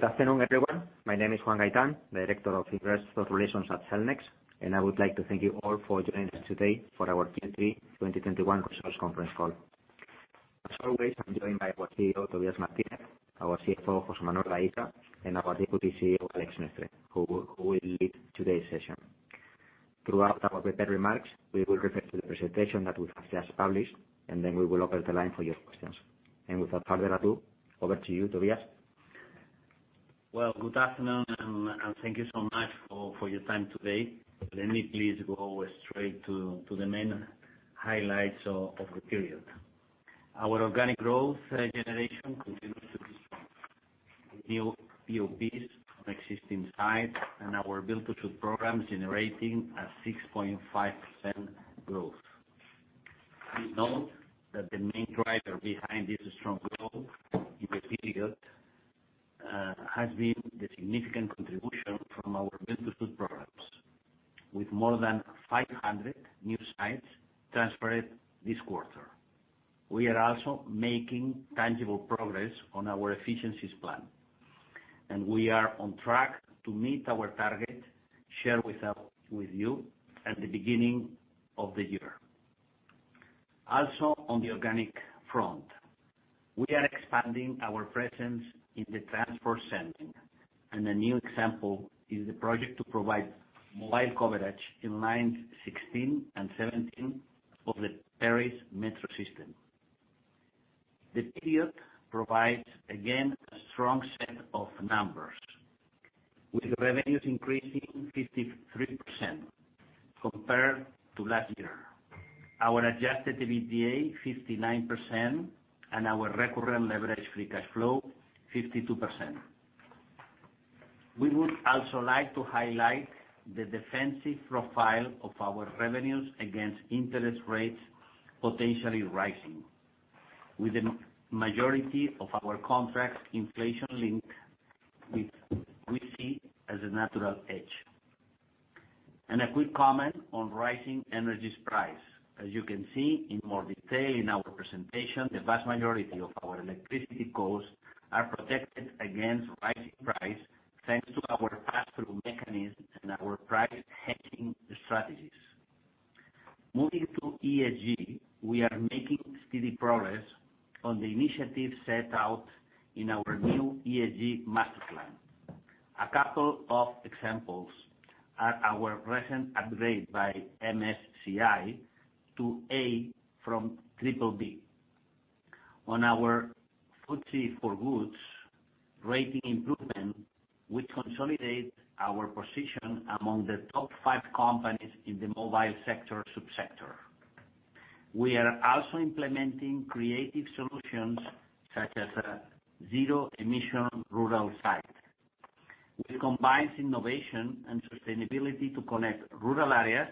Good afternoon, everyone. My name is Juan Gaitán, Director of Investor Relations at Cellnex, and I would like to thank you all for joining us today for our Q3 2021 results conference call. As always, I'm joined by our CEO, Tobias Martinez, our CFO, José Manuel Aisa, and our Deputy CEO, Àlex Mestre, who we'll lead today's session. Throughout our prepared remarks, we will refer to the presentation that we have just published, and then we will open the line for your questions. Without further ado, over to you, Tobias. Well, good afternoon, and thank you so much for your time today. Let me please go straight to the main highlights of the period. Our organic growth generation continues to be strong. New PoPs from existing sites and our build-to-suit programs generating a 6.5% growth. Please note that the main driver behind this strong growth in the period has been the significant contribution from our build-to-suit programs, with more than 500 new sites transferred this quarter. We are also making tangible progress on our efficiencies plan, and we are on track to meet our target shared with you at the beginning of the year. Also, on the organic front, we are expanding our presence in the transport segment, and a new example is the project to provide mobile coverage in lines 16 and 17 of the Paris Metro system. The period provides, again, a strong set of numbers, with revenues increasing 53% compared to last year, our adjusted EBITDA increasing 59% and our recurrent levered free cash flow increasing 52%. We would also like to highlight the defensive profile of our revenues against interest rates potentially rising. With the majority of our contracts inflation-linked, we see it as a natural hedge. A quick comment on rising energy prices. As you can see in more detail in our presentation, the vast majority of our electricity costs are protected against rising prices, thanks to our pass-through mechanisms and our price hedging strategies. Moving to ESG, we are making steady progress on the initiatives set out in our new ESG master plan. A couple of examples are our recent upgrade by MSCI to A from BBB. On our FTSE4Good rating improvement, we consolidate our position among the top five companies in the mobile sector sub-sector. We are also implementing creative solutions such as a zero-emission rural site, which combines innovation and sustainability to connect rural areas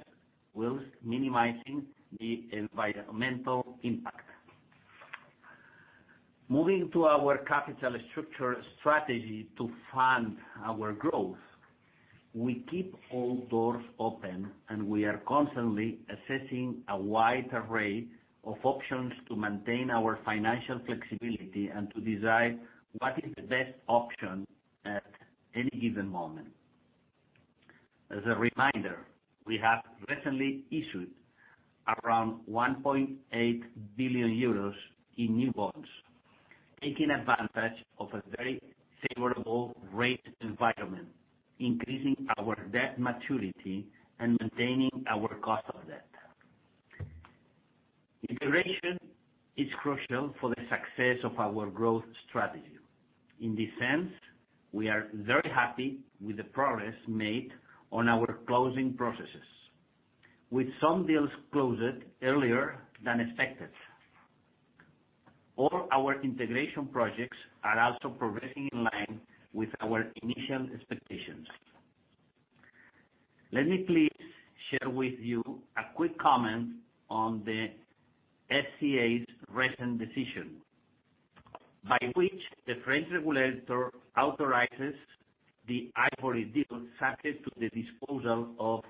while minimizing the environmental impact. Moving to our capital structure strategy to fund our growth, we keep all doors open, and we are constantly assessing a wide array of options to maintain our financial flexibility and to decide what is the best option at any given moment. As a reminder, we have recently issued around 1.8 billion euros in new bonds, taking advantage of a very favorable rate environment, increasing our debt maturity and maintaining our cost of debt. Integration is crucial for the success of our growth strategy. In this sense, we are very happy with the progress made on our closing processes, with some deals closed earlier than expected. All our integration projects are also progressing in line with our initial expectations. Let me please share with you a quick comment on the FCA's recent decision, by which the French regulator authorizes the Hivory deal subject to the disposal of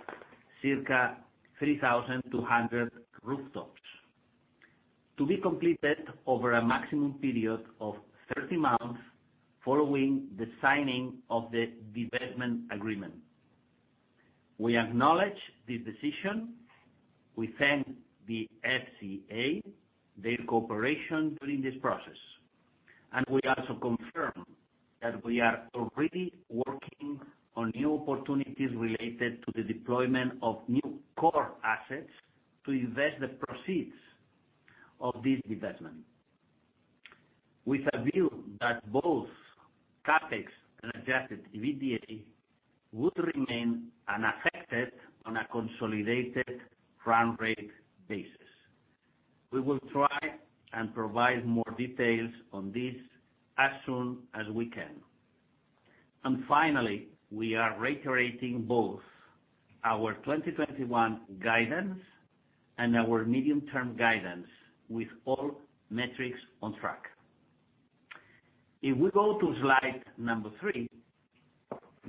circa 3,200 rooftops, to be completed over a maximum period of 30 months following the signing of the divestment agreement. We acknowledge this decision, we thank the FCA, their cooperation during this process, and we also confirm that we are already working on new opportunities related to the deployment of new core assets to invest the proceeds of this divestment, with a view that both CapEx and adjusted EBITDA would remain unaffected on a consolidated run rate basis. We will try and provide more details on this as soon as we can. Finally, we are reiterating both our 2021 guidance and our medium-term guidance with all metrics on track. If we go to slide three.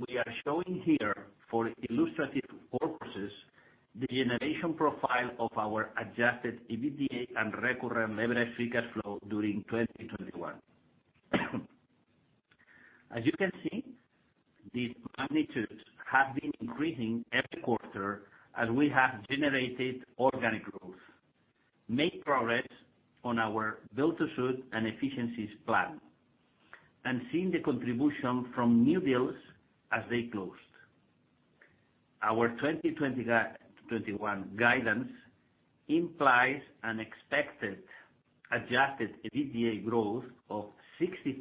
We are showing here, for illustrative purposes, the generation profile of our adjusted EBITDA and recurrent leverage free cash flow during 2021. As you can see, these magnitudes have been increasing every quarter as we have generated organic growth, made progress on our build-to-suit and efficiencies plan, and seen the contribution from new deals as they closed. Our 2021 guidance implies an expected adjusted EBITDA growth of 65%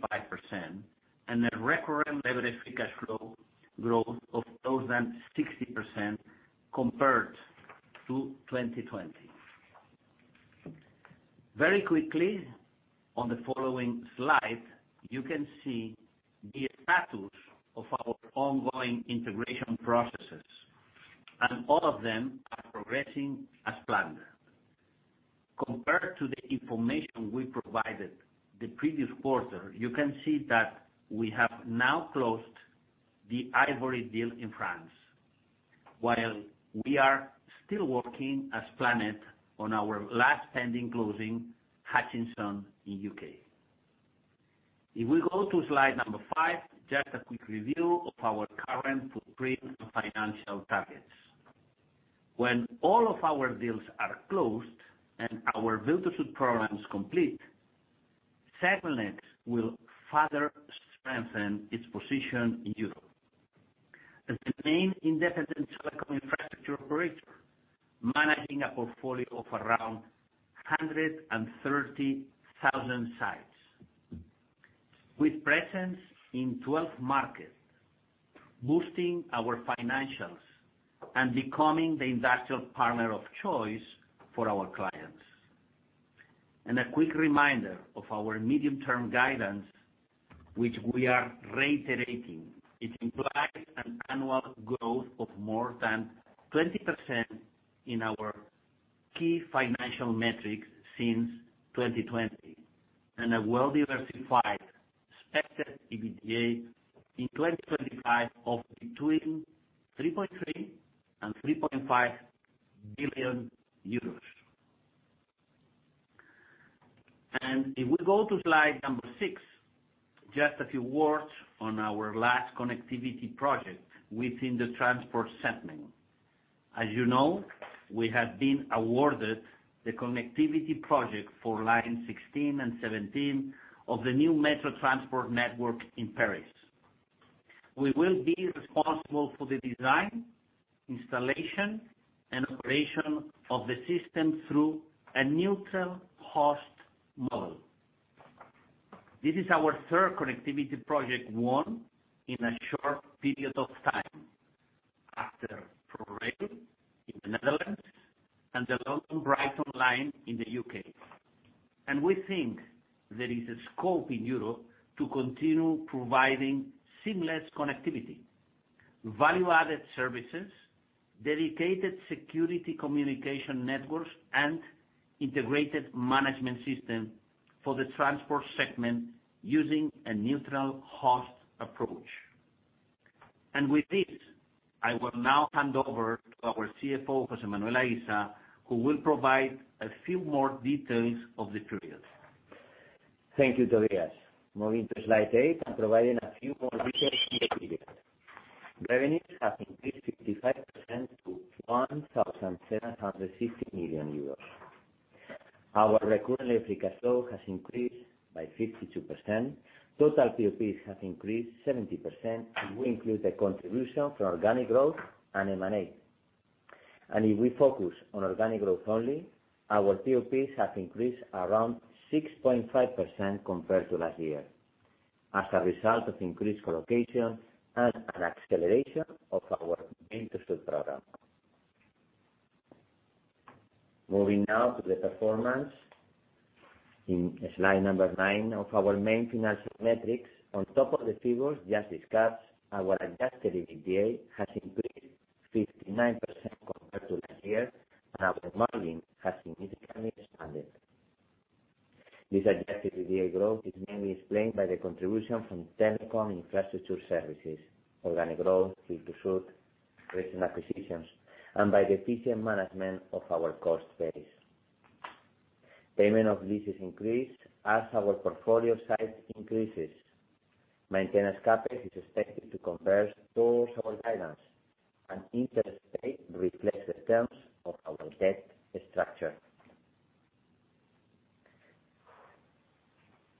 and a recurrent leverage free cash flow growth of more than 60% compared to 2020. Very quickly, on the following slide, you can see the status of our ongoing integration processes, and all of them are progressing as planned. Compared to the information we provided the previous quarter, you can see that we have now closed the Hivory deal in France, while we are still working as planned on our last pending closing, Hutchison in the U.K. If we go to slide number five, just a quick review of our current footprint and financial targets. When all of our deals are closed and our build-to-suit program is complete, Cellnex will further strengthen its position in Europe as the main independent telecom infrastructure operator, managing a portfolio of around 130,000 sites, with presence in 12 markets, boosting our financials and becoming the industrial partner of choice for our clients. A quick reminder of our medium-term guidance, which we are reiterating. It implies an annual growth of more than 20% in our key financial metrics since 2020, and a well-diversified expected EBITDA in 2025 of between 3.3 billion and 3.5 billion euros. If we go to slide six, just a few words on our last connectivity project within the transport segment. As you know, we have been awarded the connectivity project for line 16 and 17 of the new metro transport network in Paris. We will be responsible for the design, installation, and operation of the system through a neutral host model. This is our third connectivity project won in a short period of time after ProRail in the Netherlands and the London Brighton line in the U.K. We think there is a scope in Europe to continue providing seamless connectivity, value-added services, dedicated security communication networks, and integrated management system for the transport segment using a neutral host approach. With this, I will now hand over to our CFO, José Manuel Aisa, who will provide a few more details of the period. Thank you, Tobias. Moving to slide eight, I'm providing a few more details here. Revenues have increased 55% to 1,750 million euros. Our recurrent free cash flow has increased by 52%. Total PoPs have increased 70%. We include the contribution from organic growth and M&A. If we focus on organic growth only, our PoPs have increased around 6.5% compared to last year as a result of increased colocation and an acceleration of our build-to-suit program. Moving now to the performance in slide number nine of our main financial metrics. On top of the figures just discussed, our adjusted EBITDA has increased 59% compared to last year, and our margin has significantly expanded. This adjusted EBITDA growth is mainly explained by the contribution from telecom infrastructure services, organic growth, build-to-suit, recent acquisitions, and by the efficient management of our cost base. Payment of leases increased as our portfolio sites increase. Maintenance CapEx is expected to come in towards our guidance, and interest paid reflects the terms of our debt structure.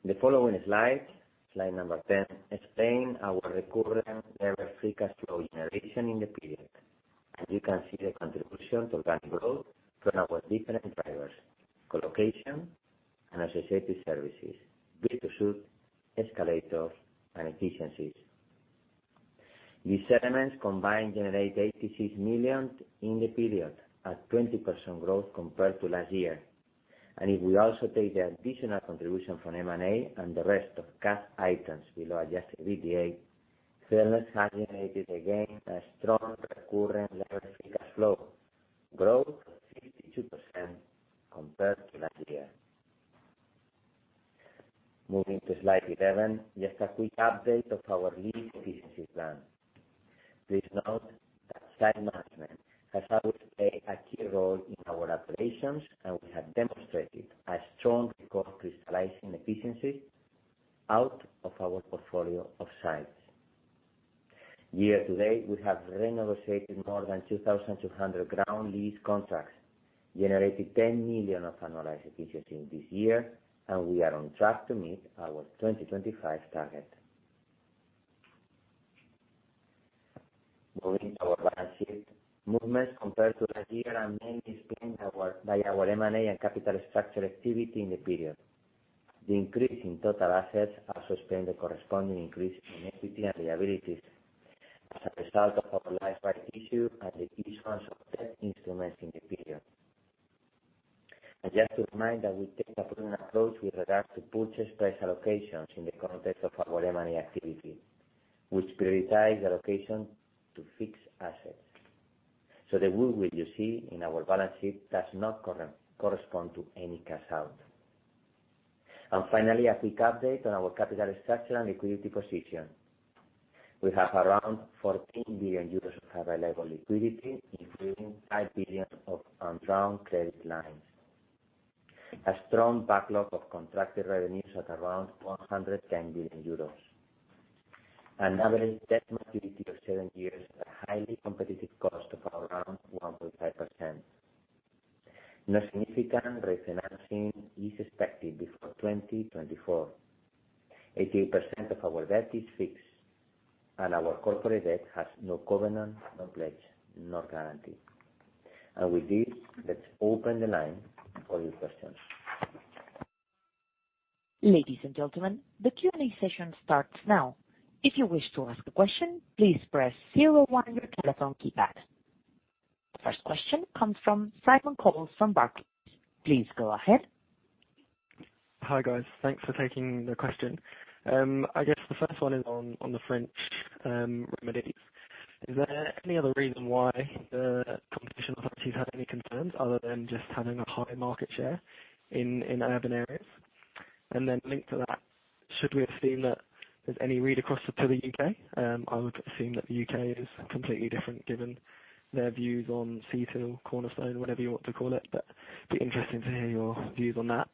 The following slide number 10, explains our recurring leverage-free cash flow generation in the period. As you can see, the contribution to organic growth from our different drivers, colocation and associated services, build-to-suit, escalator, and efficiencies. These segments combined generate 86 million in the period at 20% growth compared to last year. If we also take the additional contribution from M&A and the rest of cash items below adjusted EBITDA, Cellnex has generated again a strong recurrent leverage free cash flow growth of 52% compared to last year. Moving to slide 11. Just a quick update of our lease efficiency plan. Please note that site management has always played a key role in our operations, and we have demonstrated a strong record crystallizing efficiency out of our portfolio of sites. Year to date, we have renegotiated more than 2,200 ground lease contracts, generating 10 million of annualized efficiency this year, and we are on track to meet our 2025 target. Moving to our balance sheet movements compared to last year, mainly explained by our M&A and capital structure activity in the period. The increase in total assets also explained the corresponding increase in equity and liabilities as a result of our rights issue and the issuance of debt instruments in the period. Just to remind that we take a prudent approach with regard to purchase price allocations in the context of our M&A activity, which prioritize allocation to fixed assets. The growth that you see in our balance sheet does not correspond to any cash out. Finally, a quick update on our capital structure and liquidity position. We have around 14 billion euros of available liquidity, including 5 billion of undrawn credit lines. A strong backlog of contracted revenues at around 110 billion euros. An average debt maturity of seven years at a highly competitive cost of around 1.5%. No significant refinancing is expected before 2024. 80% of our debt is fixed, and our corporate debt has no covenant, no pledge, no guarantee. With this, let's open the line for your questions. Ladies and gentlemen, the Q&A session starts now. If you wish to ask a question, please press zero one on your telephone keypad. The first question comes from Simon Coles from Barclays. Please go ahead. Hi, guys. Thanks for taking the question. I guess the first one is on the French remedies. Is there any other reason why the competition authorities had any concerns other than just having a high market share in urban areas? Linked to that, should we have seen that there's any read across to the U.K.? I would assume that the U.K. is completely different given their views on CTIL, Cornerstone, whatever you want to call it, but be interesting to hear your views on that.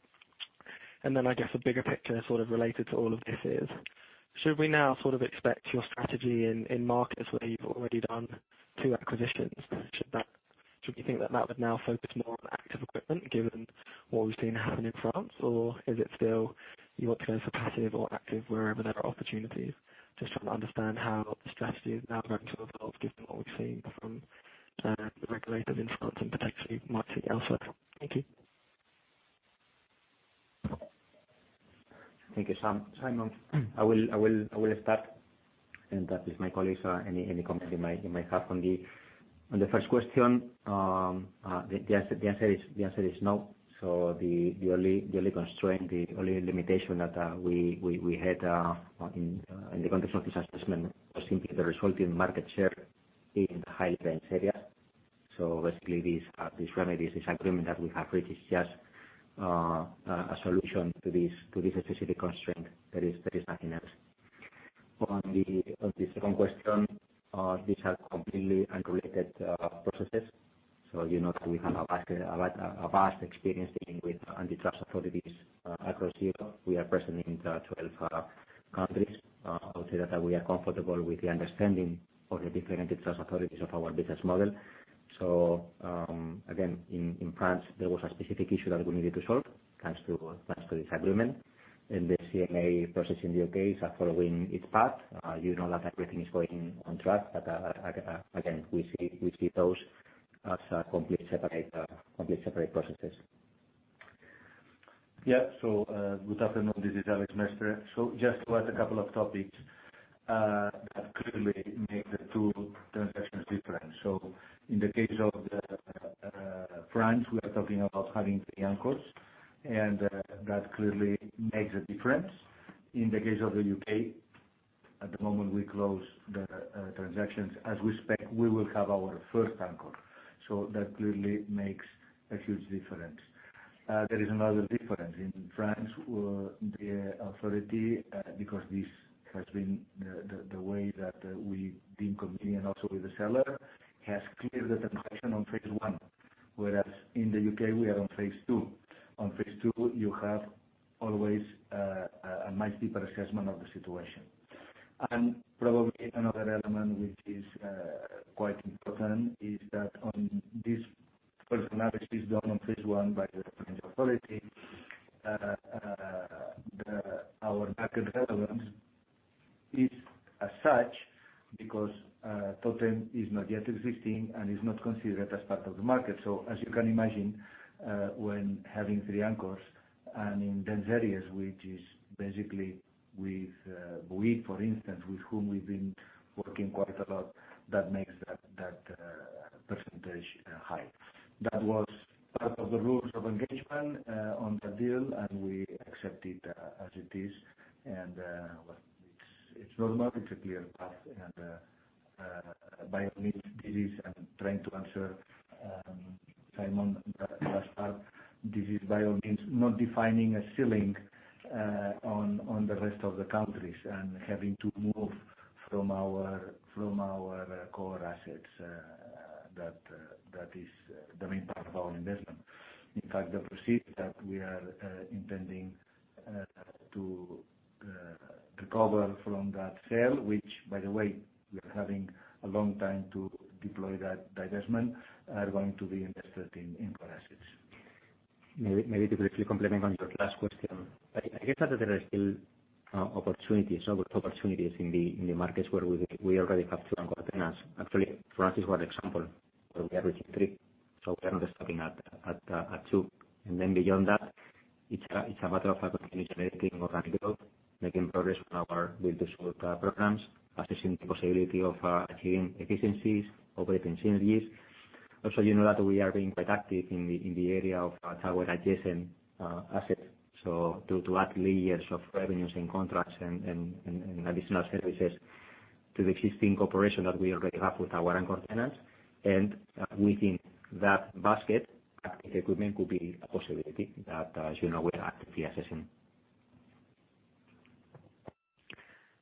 I guess a bigger picture sort of related to all of this is should we now sort of expect your strategy in markets where you've already done two acquisitions? Should we think that would now focus more on active equipment given what we've seen happen in France? Is it still you want to go for passive or active wherever there are opportunities? Just trying to understand how the strategy is now perhaps sort of given what we've seen from the regulators in France and potentially might see elsewhere. Thank you. Thank you, Simon. I will start and that is my colleagues, any comment you might have on the first question. The answer is no. The only constraint, the only limitation that we had in the context of this assessment was simply the resulting market share in highly dense areas. Basically, these remedies, this agreement that we have reached is just a solution to this specific constraint. There is nothing else. On the second question, these are completely unrelated processes. You know that we have a vast experience dealing with antitrust authorities across Europe. We are present in 12 countries. I would say that we are comfortable with the understanding of the different antitrust authorities of our business model. Again, in France, there was a specific issue that we needed to solve thanks to this agreement. The CMA process in the U.K. is following its path. You know that everything is going on track. Again, we see those as completely separate processes. Yeah. Good afternoon. This is Àlex Mestre. Just to add a couple of topics that clearly make the two transactions different. In the case of France, we are talking about having three anchors, and that clearly makes a difference. In the case of the U.K., at the moment we close the transactions as we expect we will have our first anchor. That clearly makes a huge difference. There is another difference. In France, the authority, because this has been the way that we deem convenient also with the seller, has cleared the transaction on phase I, whereas in the U.K., we are on phase II. On phase II, you have always a much deeper assessment of the situation. Probably another element which is quite important is that on this first analysis done on phase I by the French authority, our market relevance is as such because TOTEM is not yet existing and is not considered as part of the market. As you can imagine, when having three anchors and in dense areas, which is basically with Bouygues for instance, with whom we've been working quite a lot, that makes that percentage high. That was part of the rules of engagement on the deal, and we accept it as it is. It's not a particularly clear path. By all means, I'm trying to answer Simon's last part. This is by all means not defining a ceiling on the rest of the countries and having to move from our core assets, that is the main part of our investment. In fact, the proceeds that we are intending to recover from that sale, which by the way, we are having a long time to deploy that divestment, are going to be invested in core assets. Maybe to briefly comment on your last question. I guess that there are still opportunities in the markets where we already have two anchor tenants. Actually, France is one example where we are reaching three, so we are not stopping at two. Beyond that, it's a matter of continuing organic growth, making progress on our build-to-suit programs, assessing the possibility of achieving efficiencies, operating synergies. Also, you know that we are being quite active in the area of tower adjacent assets. To add layers of revenues and contracts and additional services to the existing cooperation that we already have with our anchor tenants. Within that basket, active equipment could be a possibility that, as you know, we are actively assessing.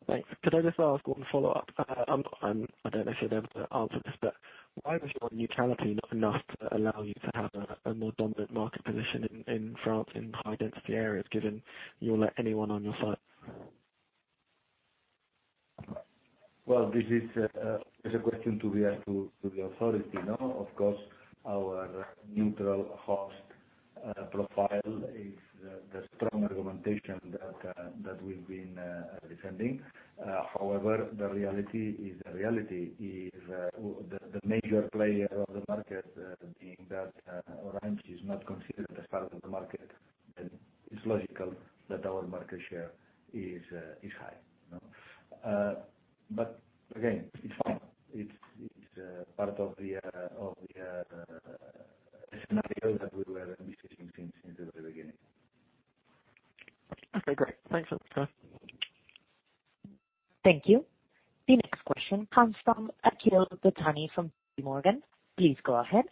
Thanks. Could I just ask one follow-up? I don't know if you'll be able to answer this, but why was your neutrality not enough to allow you to have a more dominant market position in France in high density areas, given you'll let anyone on your site? Well, this is a question to be asked to the authority, you know. Of course, our neutral host profile is the strong argumentation that we've been defending. However, the reality is the reality. If the major player of the market, being that Orange is not considered as part of the market, then it's logical that our market share is high, you know. Again, it's fine. It's part of the scenario that we were anticipating since the very beginning. Okay, great. Thanks a lot. Thank you. The next question comes from Akhil Dattani from JPMorgan. Please go ahead.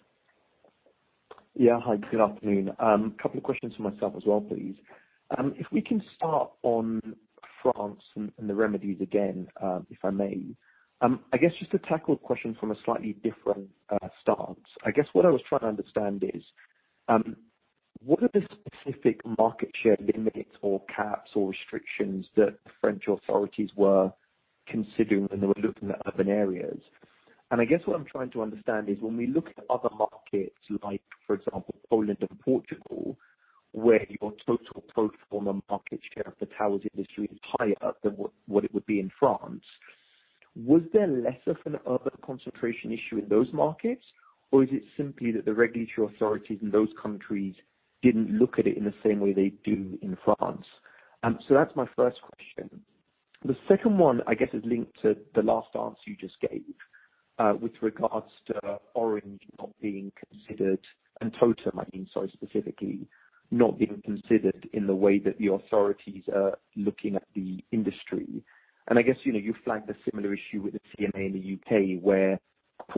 Yeah. Hi, good afternoon. Couple of questions from myself as well, please. If we can start on France and the remedies again, if I may. I guess just to tackle a question from a slightly different stance. I guess what I was trying to understand is what are the specific market share limits or caps or restrictions that the French authorities were considering when they were looking at urban areas? I guess what I'm trying to understand is when we look at other markets, like for example, Poland or Portugal, where your total pro forma market share of the towers industry is higher than what it would be in France, was there less of an urban concentration issue in those markets? Is it simply that the regulatory authorities in those countries didn't look at it in the same way they do in France? That's my first question. The second one, I guess, is linked to the last answer you just gave, with regards to Orange not being considered, and TOTEM, I mean, sorry, specifically, not being considered in the way that the authorities are looking at the industry. I guess, you know, you flagged a similar issue with the CMA in the U.K. where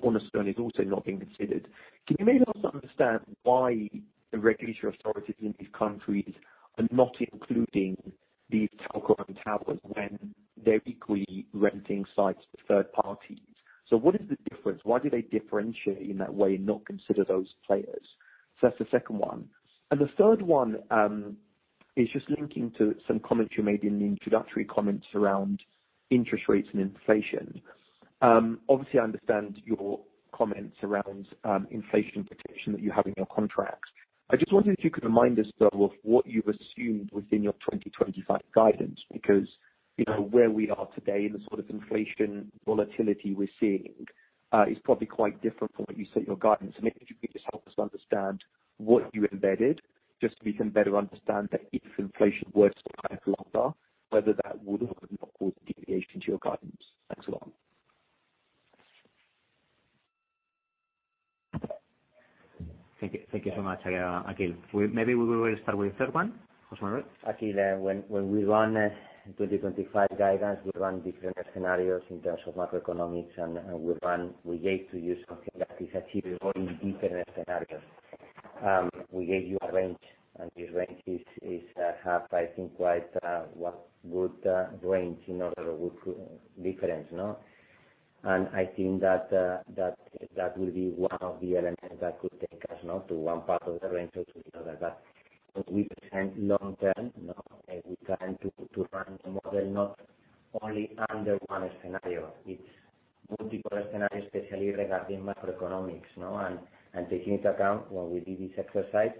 Cornerstone is also not being considered. Can you maybe help us understand why the regulatory authorities in these countries are not including these telco run towers when they're equally renting sites to third parties? What is the difference? Why do they differentiate in that way and not consider those players? That's the second one. The third one is just linking to some comments you made in the introductory comments around interest rates and inflation. Obviously I understand your comments around inflation protection that you have in your contracts. I just wondered if you could remind us though, of what you've assumed within your 2025 guidance, because, you know, where we are today and the sort of inflation volatility we're seeing is probably quite different from when you set your guidance. Maybe if you could just help us understand what you embedded, just so we can better understand that if inflation were to last longer, whether that would or could not cause a deviation to your guidance. Thanks a lot. Thank you. Thank you so much again, Akhil. Maybe we will start with the third one. José Manuel. Akhil, when we run 2025 guidance, we run different scenarios in terms of macroeconomics and we gave you something that is achievable in different scenarios. We gave you a range, and this range is, I think, quite a good range in order of difference, no? I think that will be one of the elements that could take us, no, to one part of the range or to the other. We plan long term, you know, and we plan to run the model not only under one scenario. It's multiple scenarios, especially regarding macroeconomics, you know. Taking into account when we did this exercise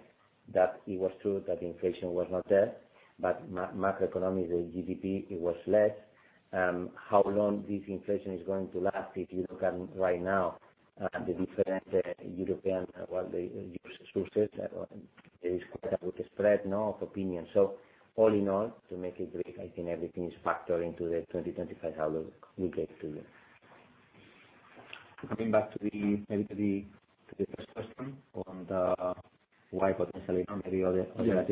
that it was true that inflation was not there, but macroeconomics, the GDP, it was less. How long this inflation is going to last, if you look at right now, the different, European, well, the U.S. sources, there is quite a wide spread, no, of opinion. All in all, to make it brief, I think everything is factored into the 2025 guidance we gave to you. Coming back to the first question on why potentially not maybe other? Yeah.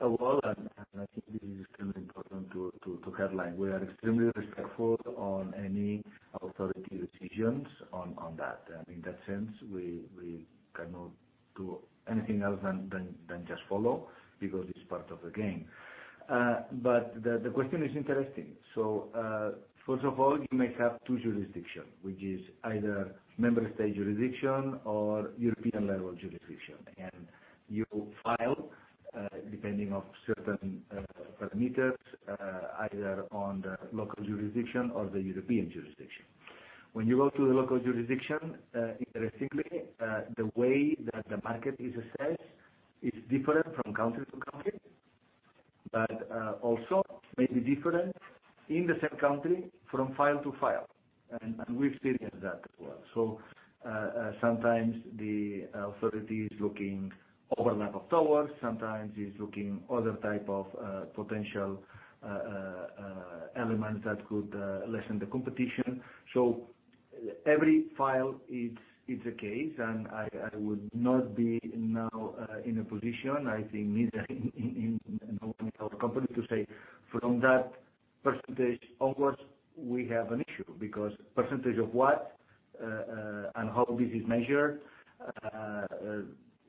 First of all, I think this is extremely important to headline. We are extremely respectful on any authority decisions on that. In that sense, we cannot do anything else than just follow because it's part of the game. The question is interesting. First of all, you may have two jurisdiction, which is either member state jurisdiction or European level jurisdiction. You file, depending on certain parameters, either on the local jurisdiction or the European jurisdiction. When you go to the local jurisdiction, interestingly, the way that the market is assessed is different from country to country, but also may be different in the same country from file to file, and we've experienced that as well. Sometimes the authority is looking at overlap of towers, sometimes it's looking at other types of potential elements that could lessen the competition. Every filing it's a case, and I would not be now in a position, I think, neither I nor any other company to say from that percentage onwards, we have an issue. Because percentage of what, and how this is measured,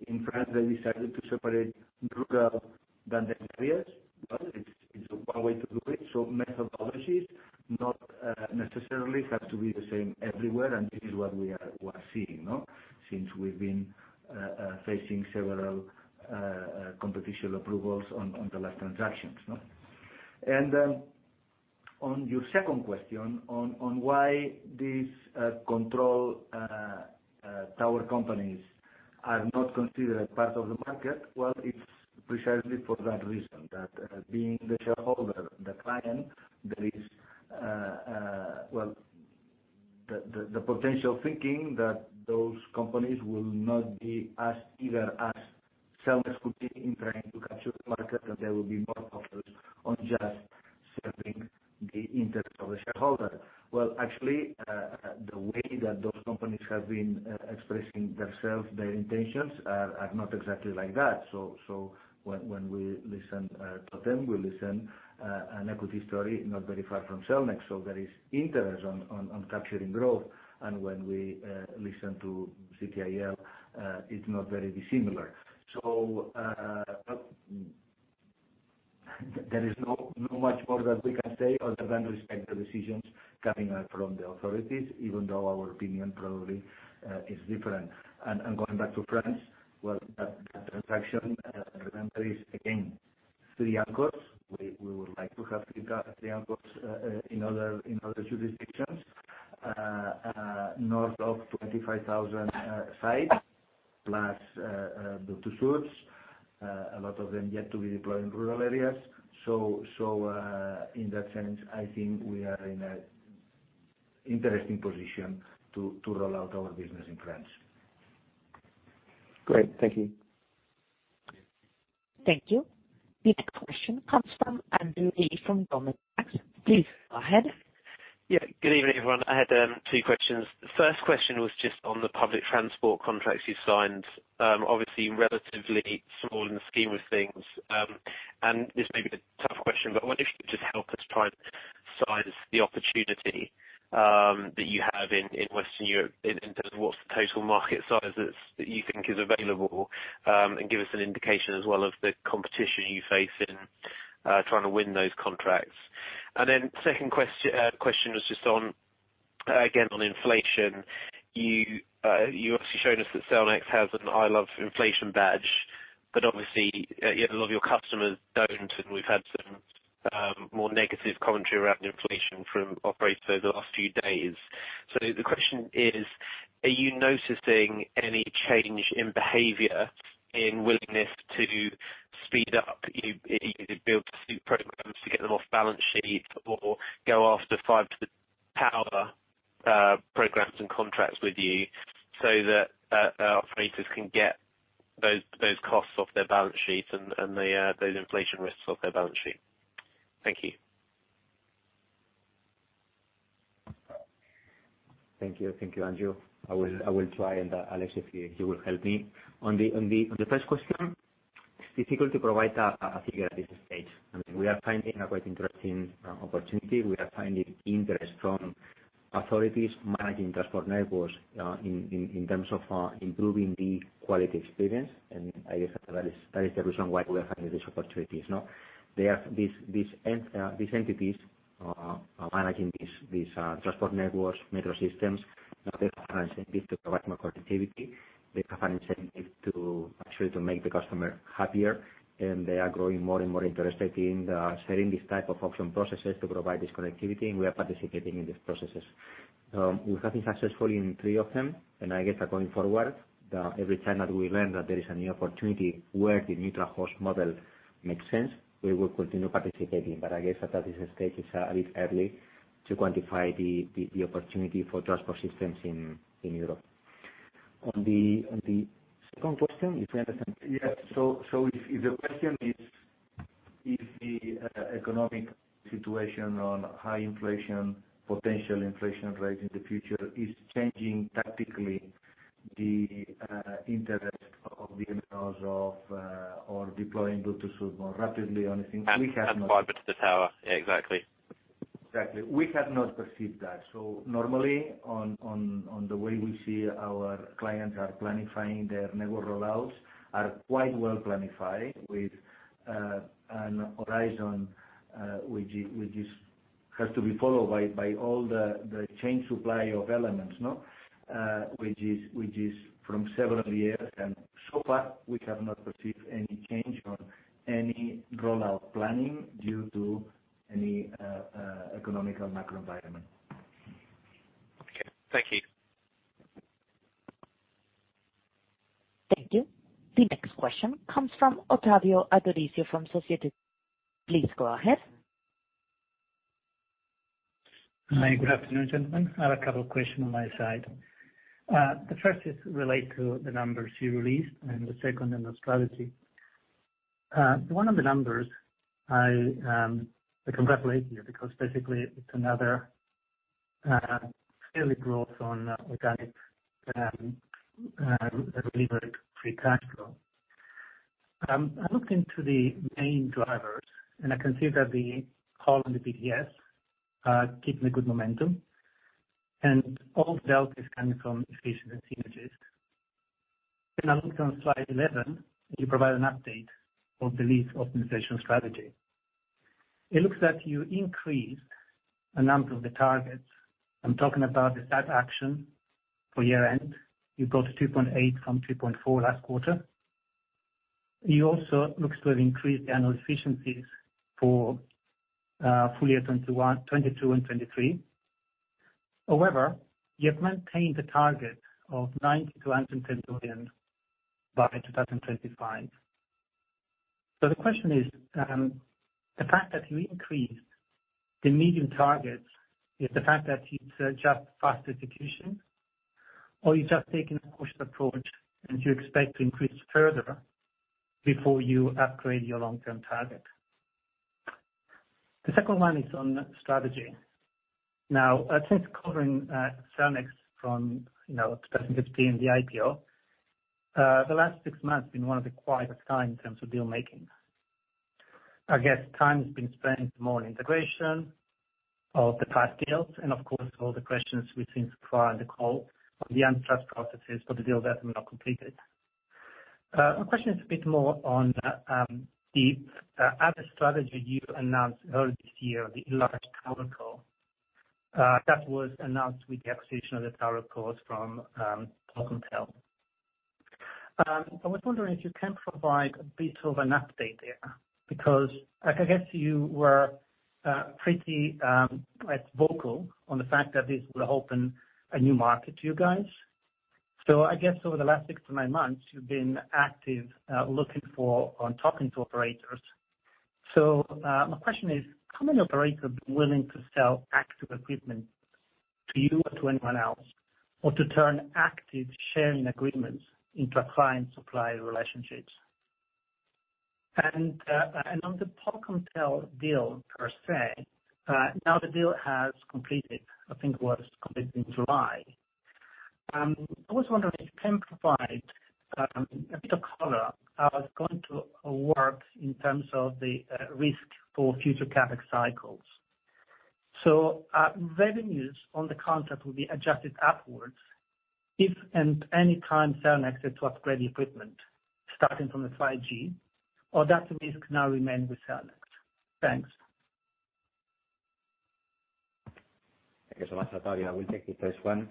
in France, they decided to separate rural from the urban areas. Well, it's one way to do it. Methodologies do not necessarily have to be the same everywhere, and this is what we are seeing, no? Since we've been facing several competition approvals on the last transactions, no? On your second question on why these captive tower companies are not considered as part of the market, well, it's precisely for that reason that being the shareholder, the client, there is well the potential thinking that those companies will not be as eager as cellco could be in trying to capture the market, that they will be more focused on just serving the interest of the shareholder. Well, actually, the way that those companies have been expressing themselves, their intentions are not exactly like that. When we listen to them, we hear an equity story not very far from Cellnex. There is interest in capturing growth. When we listen to CTIL, it's not very dissimilar. There is not much more that we can say other than respect the decisions coming out from the authorities, even though our opinion probably is different. Going back to France, well, that transaction, remember, is again three anchors. We would like to have three anchors in other jurisdictions. North of 25,000 sites, plus build-to-suits. A lot of them yet to be deployed in rural areas. In that sense, I think we are in an interesting position to roll out our business in France. Great. Thank you. Thank you. The next question comes from Andrew Lee from Goldman Sachs. Please go ahead. Yeah. Good evening, everyone. I had two questions. The first question was just on the public transport contracts you signed. Obviously relatively small in the scheme of things. This may be the tough question, but I wonder if you could just help us try and size the opportunity that you have in Western Europe in terms of what's the total market size that you think is available, and give us an indication as well of the competition you face in trying to win those contracts. Second question was just on, again, on inflation. You obviously shown us that Cellnex has an I Love Inflation badge, but obviously, yeah, a lot of your customers don't, and we've had some more negative commentary around inflation from operators over the last few days. The question is, are you noticing any change in behavior, in willingness to speed up, you know, either build to suit programs to get them off balance sheet or go after 5G tower programs and contracts with you so that operators can get those costs off their balance sheets and those inflation risks off their balance sheet? Thank you. Thank you. Thank you, Andrew. I will try, and Àlex, if you will help me. On the first question, it's difficult to provide a figure at this stage. I mean, we are finding a quite interesting opportunity. We are finding interest from authorities managing transport networks in terms of improving the quality experience. I guess that is the reason why we are having these opportunities. Now, they are these entities are managing these transport networks, metro systems. Now they have an incentive to provide more connectivity. They have an incentive to actually make the customer happier, and they are growing more and more interested in setting these type of auction processes to provide this connectivity, and we are participating in these processes. We've been successful in three of them, and I guess that going forward, every time that we learn that there is a new opportunity where the neutral host model makes sense, we will continue participating. I guess at this stage, it's a little early to quantify the opportunity for transport systems in Europe. On the second question, if I understand- Yes. If the question is if the economic situation of high inflation, potential inflation rate in the future is changing, tactically, the interest of the MNOs in deploying more rapidly or anything, we have not- Fiber to the tower. Yeah, exactly. Exactly. We have not perceived that. Normally the way we see our clients are planning their network roll-outs are quite well planned with a horizon which has to be followed by all the supply chain of elements, no? Which is from several years, and so far, we have not perceived any change in any rollout planning due to any economic macro environment. Okay. Thank you. Thank you. The next question comes from Ottavio Adorisio from Société. Please go ahead. Hi, good afternoon, gentlemen. I have a couple of questions on my side. The first relates to the numbers you released, and the second on the strategy. One of the numbers I congratulate you because basically it's another clear growth on organic delivered free cash flow. I looked into the main drivers, and I can see that the growth in the BTS keeping a good momentum, and all the delta is coming from efficiency synergies. When I looked on slide 11, you provide an update of the lease optimization strategy. It looks that you increased a number of the targets. I'm talking about the SAP action for year end. You go to 2.8 from 2.4 last quarter. You also looks to have increased the annual efficiencies for full year 2021, 2022 and 2023. However, you've maintained the target of 90 billion-110 billion by 2025. The question is, the fact that you increased the medium targets is the fact that you've stepped up faster execution, or you're just taking a cautious approach, and you expect to increase further before you upgrade your long-term target. The second one is on strategy. Now, since covering Cellnex from, you know, 2015, the IPO, the last six months been one of the quietest time in terms of deal making. I guess time has been spent more on integration of the past deals and of course, all the questions we've seen prior on the call on the antitrust processes for the deal that were not completed. My question is a bit more on the other strategy you announced earlier this year, the large towerco that was announced with the acquisition of the tower, of course, from Polkomtel. I was wondering if you can provide a bit of an update there, because I guess you were pretty vocal on the fact that this will open a new market to you guys. I guess over the last six-nine months, you have been active looking for or talking to operators. My question is, how many operators are willing to sell active equipment to you or to anyone else, or to turn active sharing agreements into a client-supplier relationships? And on the Polkomtel deal per se, now the deal has completed. I think it was completed in July. I was wondering if you can provide a bit of color how it's going to work in terms of the risk for future CapEx cycles. Revenues on the contract will be adjusted upwards if at any time Cellnex is to upgrade the equipment starting from the 5G, or that risk now remain with Cellnex. Thanks. Thank you so much, Ottavio. I will take the first one.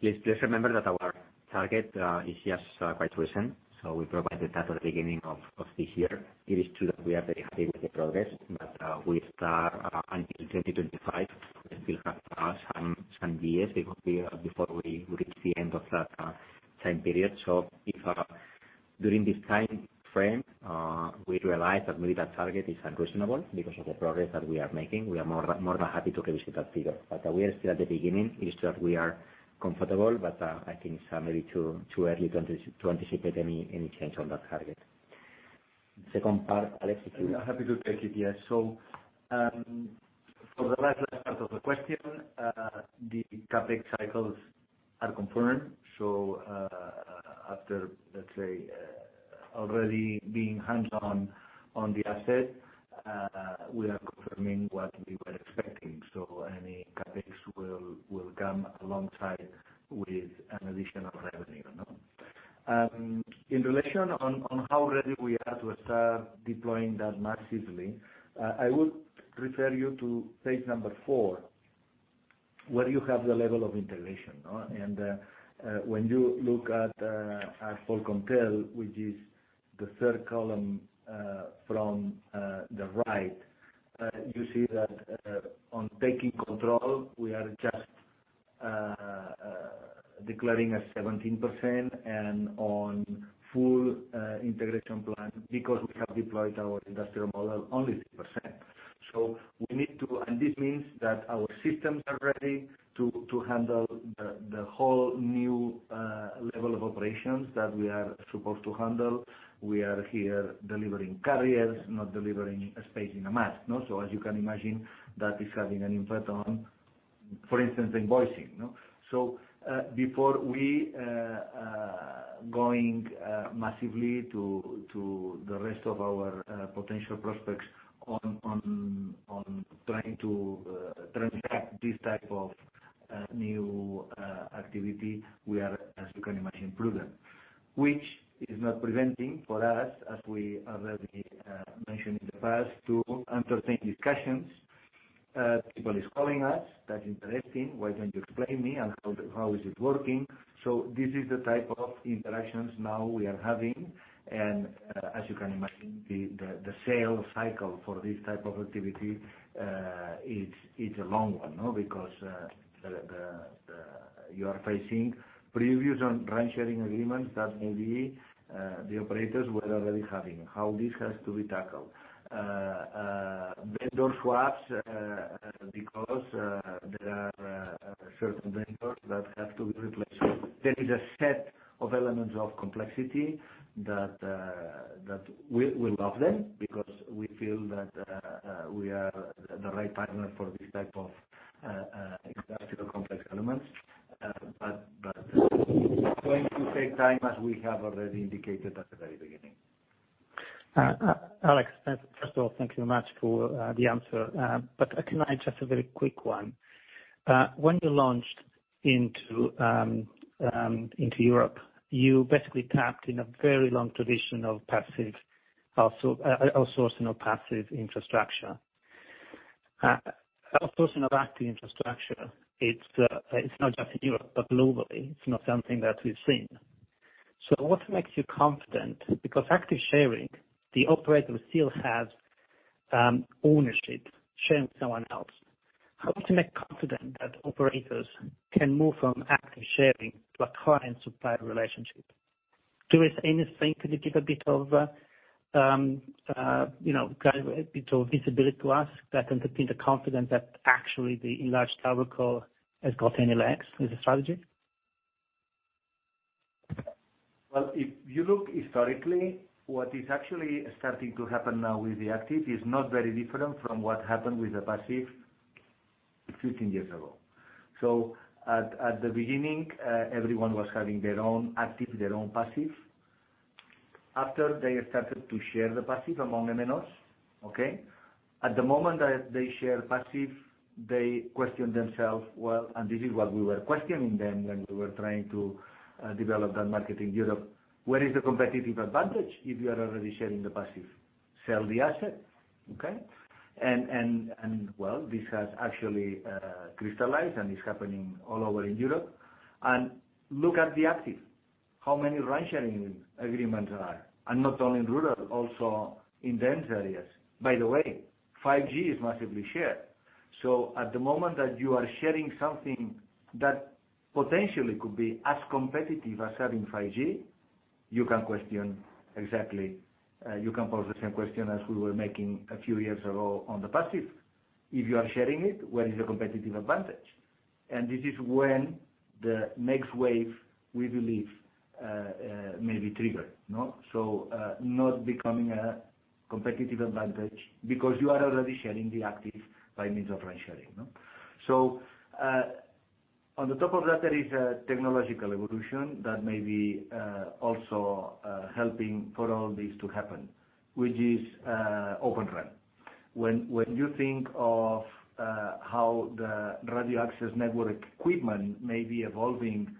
Please remember that our target is just quite recent, so we provided that at the beginning of this year. It is true that we are very happy with the progress, but we start until 2025. We still have some years it will be before we reach the end of that time period. If during this time frame we realize that maybe that target is unreasonable because of the progress that we are making, we are more than happy to revisit that figure. We are still at the beginning. It is true that we are comfortable, but I think it's maybe too early to anticipate any change on that target. Second part, Àlex if you? I'm happy to take it, yes. For the last part of the question, the CapEx cycles are confirmed. After, let's say, already being hands-on on the asset, we are confirming what we were expecting. Any CapEx will come alongside with an additional revenue, no? In relation to how ready we are to start deploying that massively, I would refer you to page four, where you have the level of integration, and when you look at Polkomtel, which is the third column from the right, you see that on taking control, we are just declaring at 17% and on full integration plan because we have deployed our industrial model only 3%. We need to, and this means that our systems are ready to handle the whole new level of operations that we are supposed to handle. We are here delivering carriers, not delivering a space in a mast. No? As you can imagine, that is having an impact on, for instance, invoicing. No? Before we going massively to the rest of our potential prospects on trying to transact this type of new activity, we are, as you can imagine, prudent. Which is not preventing for us, as we already mentioned in the past, to entertain discussions. People is calling us. That's interesting. Why don't you explain me on how it is working? This is the type of interactions now we are having, and as you can imagine, the sales cycle for this type of activity, it's a long one, no? Because you are facing previous rent sharing agreements that maybe the operators were already having. How this has to be tackled. Vendor swaps because there are certain vendors that have to be replaced. There is a set of elements of complexity that we love them because we feel that we are the right partner for this type of industrial complex elements. It's going to take time, as we have already indicated at the very beginning. Àlex, first of all, thank you very much for the answer. But can I just a very quick one. When you launched into Europe, you basically tapped into a very long tradition of passive outsourcing of passive infrastructure. Outsourcing of active infrastructure, it's not just Europe, but globally, it's not something that we've seen. What makes you confident? Because active sharing, the operator still has ownership sharing with someone else. How to make confident that operators can move from active sharing to a client-supplier relationship? Do you have anything to give a bit of, you know, guide, a bit of visibility to us that can repeat the confidence that actually the enlarged TowerCo has got any legs as a strategy? Well, if you look historically, what is actually starting to happen now with the active is not very different from what happened with the passive 15 years ago. At the beginning, everyone was having their own active, their own passive. After they started to share the passive among MNOs, okay? At the moment that they share passive, they question themselves, well, and this is what we were questioning them when we were trying to develop that market in Europe. Where is the competitive advantage if you are already sharing the passive? Sell the asset, okay? Well, this has actually crystallized, and it's happening all over in Europe. Look at the active, how many rent sharing agreements are, and not only in rural, also in dense areas. By the way, 5G is massively shared. At the moment that you are sharing something that potentially could be as competitive as having 5G, you can question exactly, you can pose the same question as we were making a few years ago on the passive. If you are sharing it, where is the competitive advantage? This is when the next wave, we believe, may be triggered. No? Not becoming a competitive advantage because you are already sharing the active by means of rent sharing. No? On the top of that, there is a technological evolution that may be also helping for all this to happen, which is OpenRAN. When you think of how the radio access network equipment may be evolving,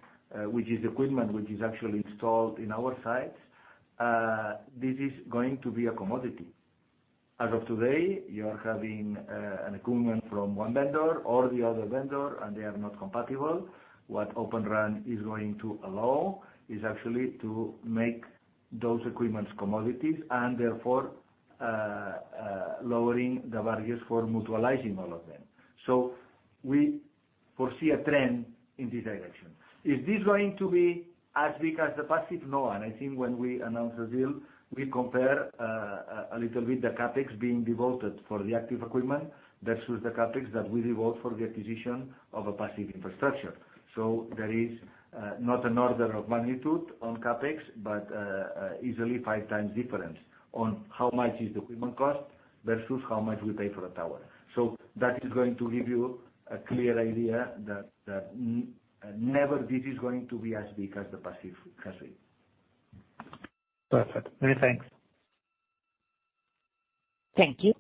which is equipment which is actually installed in our sites, this is going to be a commodity. As of today, you're having an equipment from one vendor or the other vendor, and they are not compatible. What OpenRAN is going to allow is actually to make those equipments commodities and therefore lowering the barriers for mutualizing all of them. We foresee a trend in this direction. Is this going to be as big as the passive? No. I think when we announced the deal, we compare a little bit the CapEx being devoted for the active equipment versus the CapEx that we devote for the acquisition of a passive infrastructure. There is not an order of magnitude on CapEx, but easily five times difference on how much is the equipment cost versus how much we pay for a tower. That is going to give you a clear idea that never this is going to be as big as the passive has been. Perfect. Many thanks. Thank you.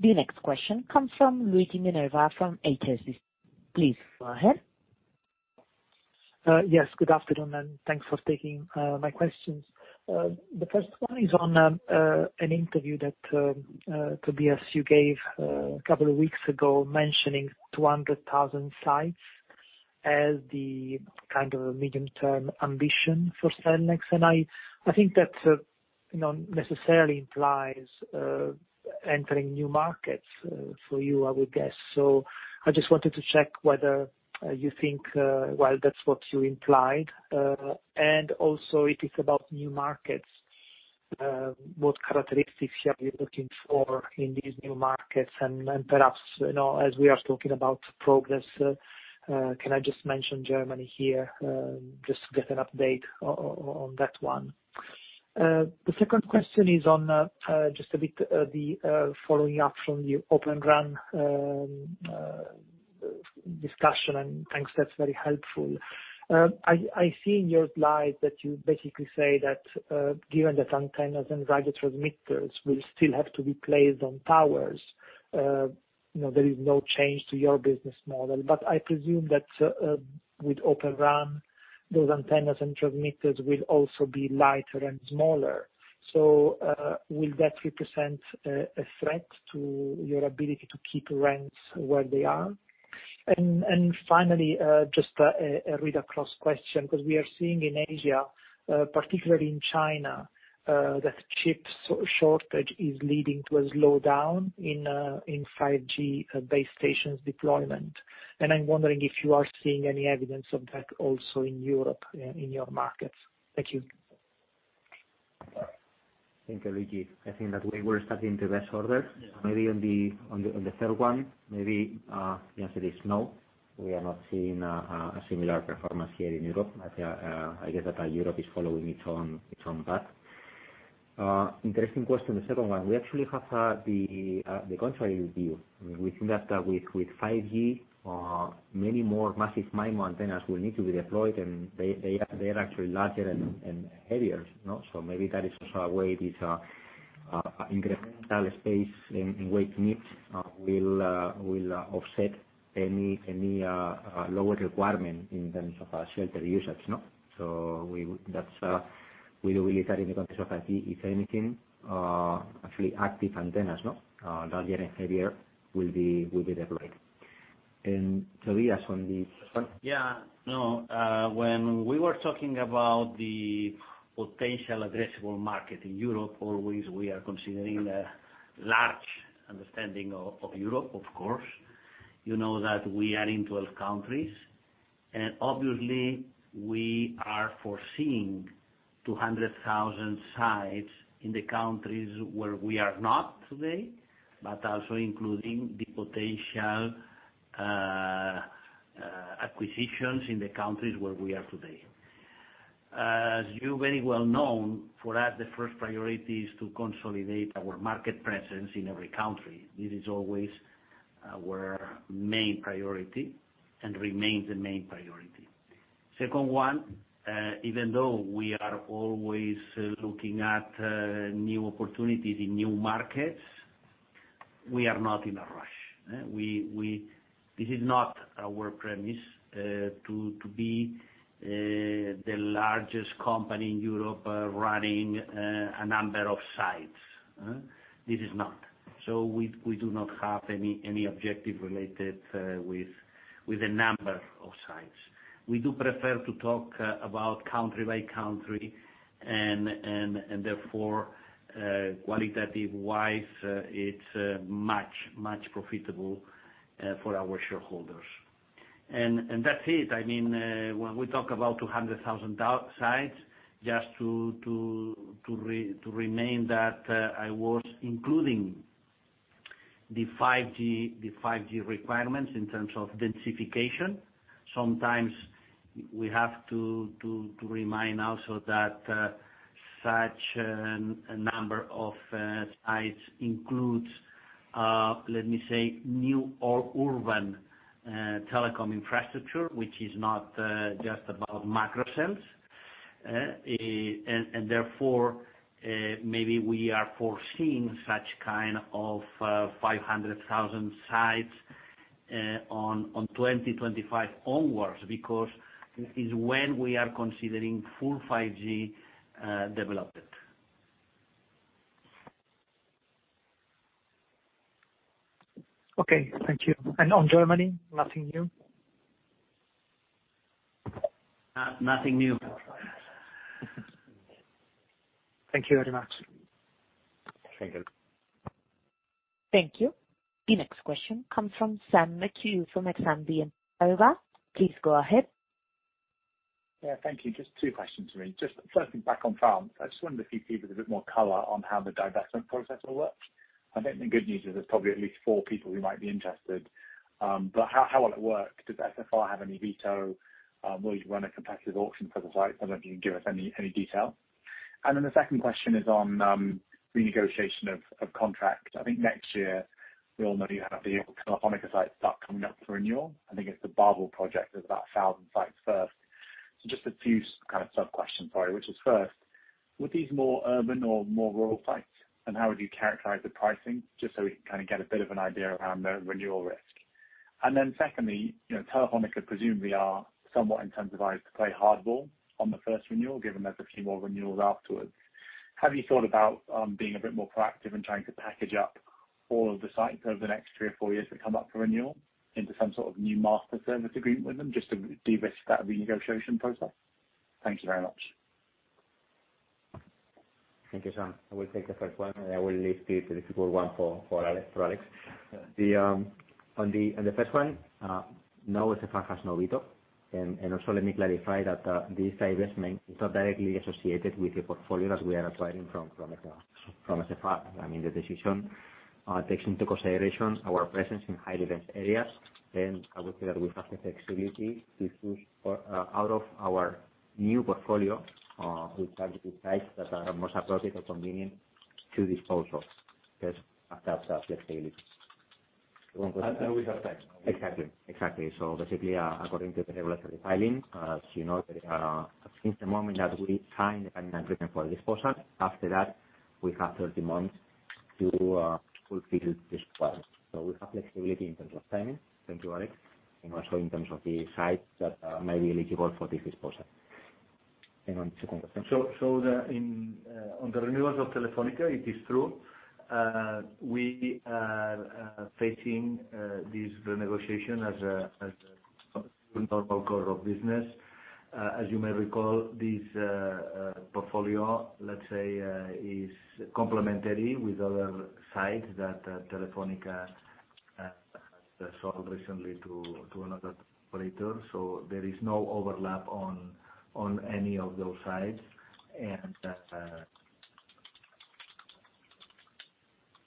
The next question comes from Luigi Minerva from HSBC. Please go ahead. Yes, good afternoon, and thanks for taking my questions. The first one is on an interview that Tobias you gave a couple of weeks ago, mentioning 200,000 sites as the kind of a medium-term ambition for Cellnex. I think that you know necessarily implies entering new markets for you I would guess. I just wanted to check whether you think well that's what you implied. And also, if it's about new markets What characteristics are you looking for in these new markets? Perhaps, you know, as we are talking about progress, can I just mention Germany here, just to get an update on that one. The second question is on just a bit of following up from the OpenRAN discussion, and thanks, that's very helpful. I see in your slide that you basically say that given that antennas and radio transmitters will still have to be placed on towers, you know, there is no change to your business model. I presume that with OpenRAN, those antennas and transmitters will also be lighter and smaller. Will that represent a threat to your ability to keep rents where they are? Finally, just a read-across question, because we are seeing in Asia, particularly in China, that chip shortage is leading to a slowdown in 5G base stations deployment. I'm wondering if you are seeing any evidence of that also in Europe, in your markets. Thank you. Thank you, Luigi. I think that we were starting the best order. Yeah. Maybe on the third one, maybe, the answer is no. We are not seeing a similar performance here in Europe. Yeah, I guess that Europe is following its own path. Interesting question, the second one. We actually have the contrary view. I mean, we think that with 5G, many more massive MIMO antennas will need to be deployed, and they are actually larger and heavier, you know? Maybe that is also a way these incremental space and weight needs will offset any lower requirement in terms of shelter usage, no? That's, we do believe that in the context of 5G, if anything, actually active antennas, no? Larger and heavier will be deployed. Tobias, on the first one? Yeah. No, when we were talking about the potential addressable market in Europe, always we are considering the broad understanding of Europe, of course. You know that we are in 12 countries. Obviously, we are foreseeing 200,000 sites in the countries where we are not today, but also including the potential acquisitions in the countries where we are today. As you very well know, for us, the first priority is to consolidate our market presence in every country. This is always our main priority and remains the main priority. Second one, even though we are always looking at new opportunities in new markets, we are not in a rush. This is not our premise to be the largest company in Europe running a number of sites. This is not. We do not have any objective related with the number of sites. We do prefer to talk about country by country, and therefore, qualitative-wise, it's much profitable for our shareholders. That's it. I mean, when we talk about 200,000 sites, just to remind that I was including the 5G requirements in terms of densification. Sometimes we have to remind also that such a number of sites includes, let me say, new or urban telecom infrastructure, which is not just about microcells. And therefore, maybe we are foreseeing such kind of 500,000 sites on 2025 onwards, because it is when we are considering full 5G development. Okay, thank you. On Germany, nothing new? Nothing new. Thank you very much. Thank you. Thank you. The next question comes from Sam McHugh from Exane BNP Paribas. Please go ahead. Thank you. Just two questions for me. Just firstly, back on France. I just wondered if you could give us a bit more color on how the divestment process will work. I think the good news is there's probably at least four people who might be interested. But how will it work? Does SFR have any veto? Will you run a competitive auction for the sites? I don't know if you can give us any detail. And then the second question is on renegotiation of contract. I think next year, we all know you have the Telefónica sites start coming up for renewal. I think it's the Babel project. There's about 1,000 sites first. So just a few kind of sub-questions, sorry. Which is first, would these more urban or more rural sites? And how would you characterize the pricing? Just so we can kinda get a bit of an idea around the renewal risk. Then secondly, you know, Telefónica presumably are somewhat incentivized to play hardball on the first renewal, given there's a few more renewals afterwards. Have you thought about being a bit more proactive and trying to package up all of the sites over the next three or four years that come up for renewal into some sort of new master service agreement with them, just to de-risk that renegotiation process? Thank you very much. Thank you, Sam. I will take the first one, and I will leave the difficult one for Àlex. On the first one, no, SFR has no veto. Also let me clarify that this divestment is not directly associated with the portfolio that we are acquiring from SFR. I mean, the decision takes into consideration our presence in high-risk areas. I would say that we have the flexibility to choose out of our new portfolio. We target the sites that are most appropriate or convenient to disposal. Because of that flexibility. We have time. Exactly. Basically, according to the regulatory filing, as you know, since the moment that we sign the binding agreement for disposal, after that, we have 30 months to fulfill this requirement. We have flexibility in terms of timing and also in terms of the sites that may be eligible for this disposal. Thank you, Àlex. The second question. On the renewals of Telefónica, it is true. We are facing this renegotiation as a normal course of business. As you may recall, this portfolio, let's say, is complementary with other sites that Telefónica sold recently to another operator. There is no overlap on any of those sites.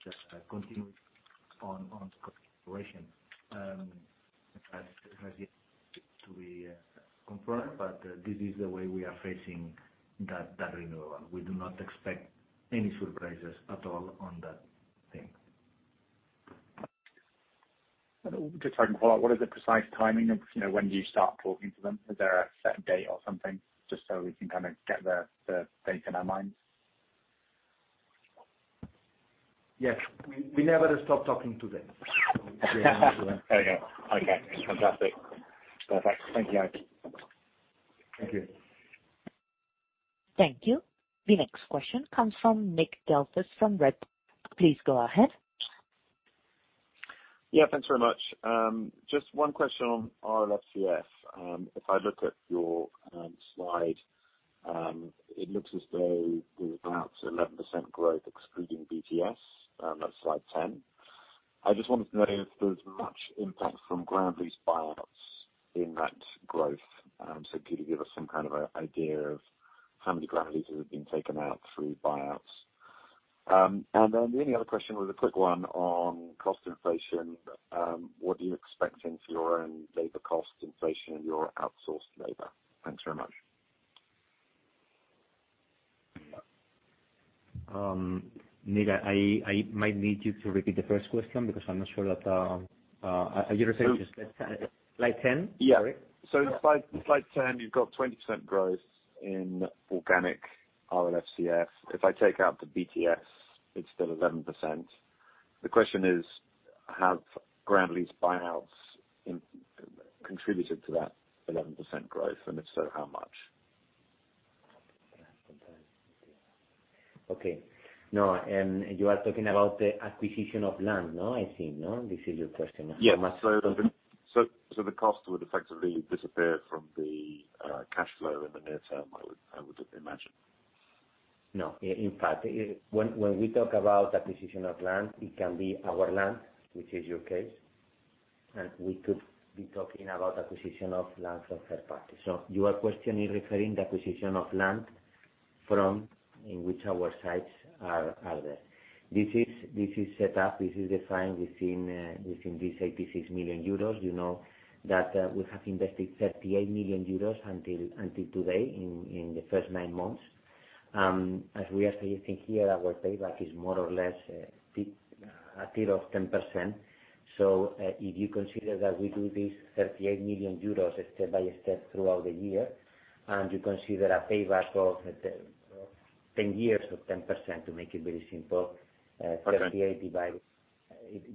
Just continuing on the consideration, it has yet to be confirmed, but this is the way we are facing that renewal. We do not expect any surprises at all on that thing. Just trying to follow up. What is the precise timing of, you know, when do you start talking to them? Is there a set date or something? Just so we can kind of get the date in our minds. Yes. We never stop talking to them. There we go. Okay. Fantastic. Perfect. Thank you, guys. Thank you. Thank you. The next question comes from Nick Delfas from Redburn. Please go ahead. Yeah, thanks very much. Just one question on RLFCF. If I look at your slide, it looks as though we're about 11% growth excluding BTS, that's slide 10. I just wanted to know if there's much impact from ground lease buyouts in that growth. Could you give us some kind of a idea of how many ground leases have been taken out through buyouts? The only other question was a quick one on cost inflation. What are you expecting for your own labor cost inflation and your outsourced labor? Thanks very much. Nick, I might need you to repeat the first question because I'm not sure that, are you referring to slide 10? Sorry. Yeah. Slide 10, you've got 20% growth in organic RLFCF. If I take out the BTS, it's still 11%. The question is, have ground lease buyouts contributed to that 11% growth, and if so, how much? Okay. No, and you are talking about the acquisition of land, no? I think, no? This is your question. So the cost would effectively disappear from the cash flow in the near term, I would imagine. No. In fact, when we talk about acquisition of land, it can be our land, which is your case. We could be talking about acquisition of land from third party. Your question is referring to the acquisition of land from third party in which our sites are there. This is set up. This is defined within this 86 million euros. You know that we have invested 38 million euros until today in the first nine months. As we are suggesting here, our payback is more or less a third of 10%. If you consider that we do this 38 million euros step by step throughout the year, and you consider a payback of 10 years or 10% to make it very simple. Okay.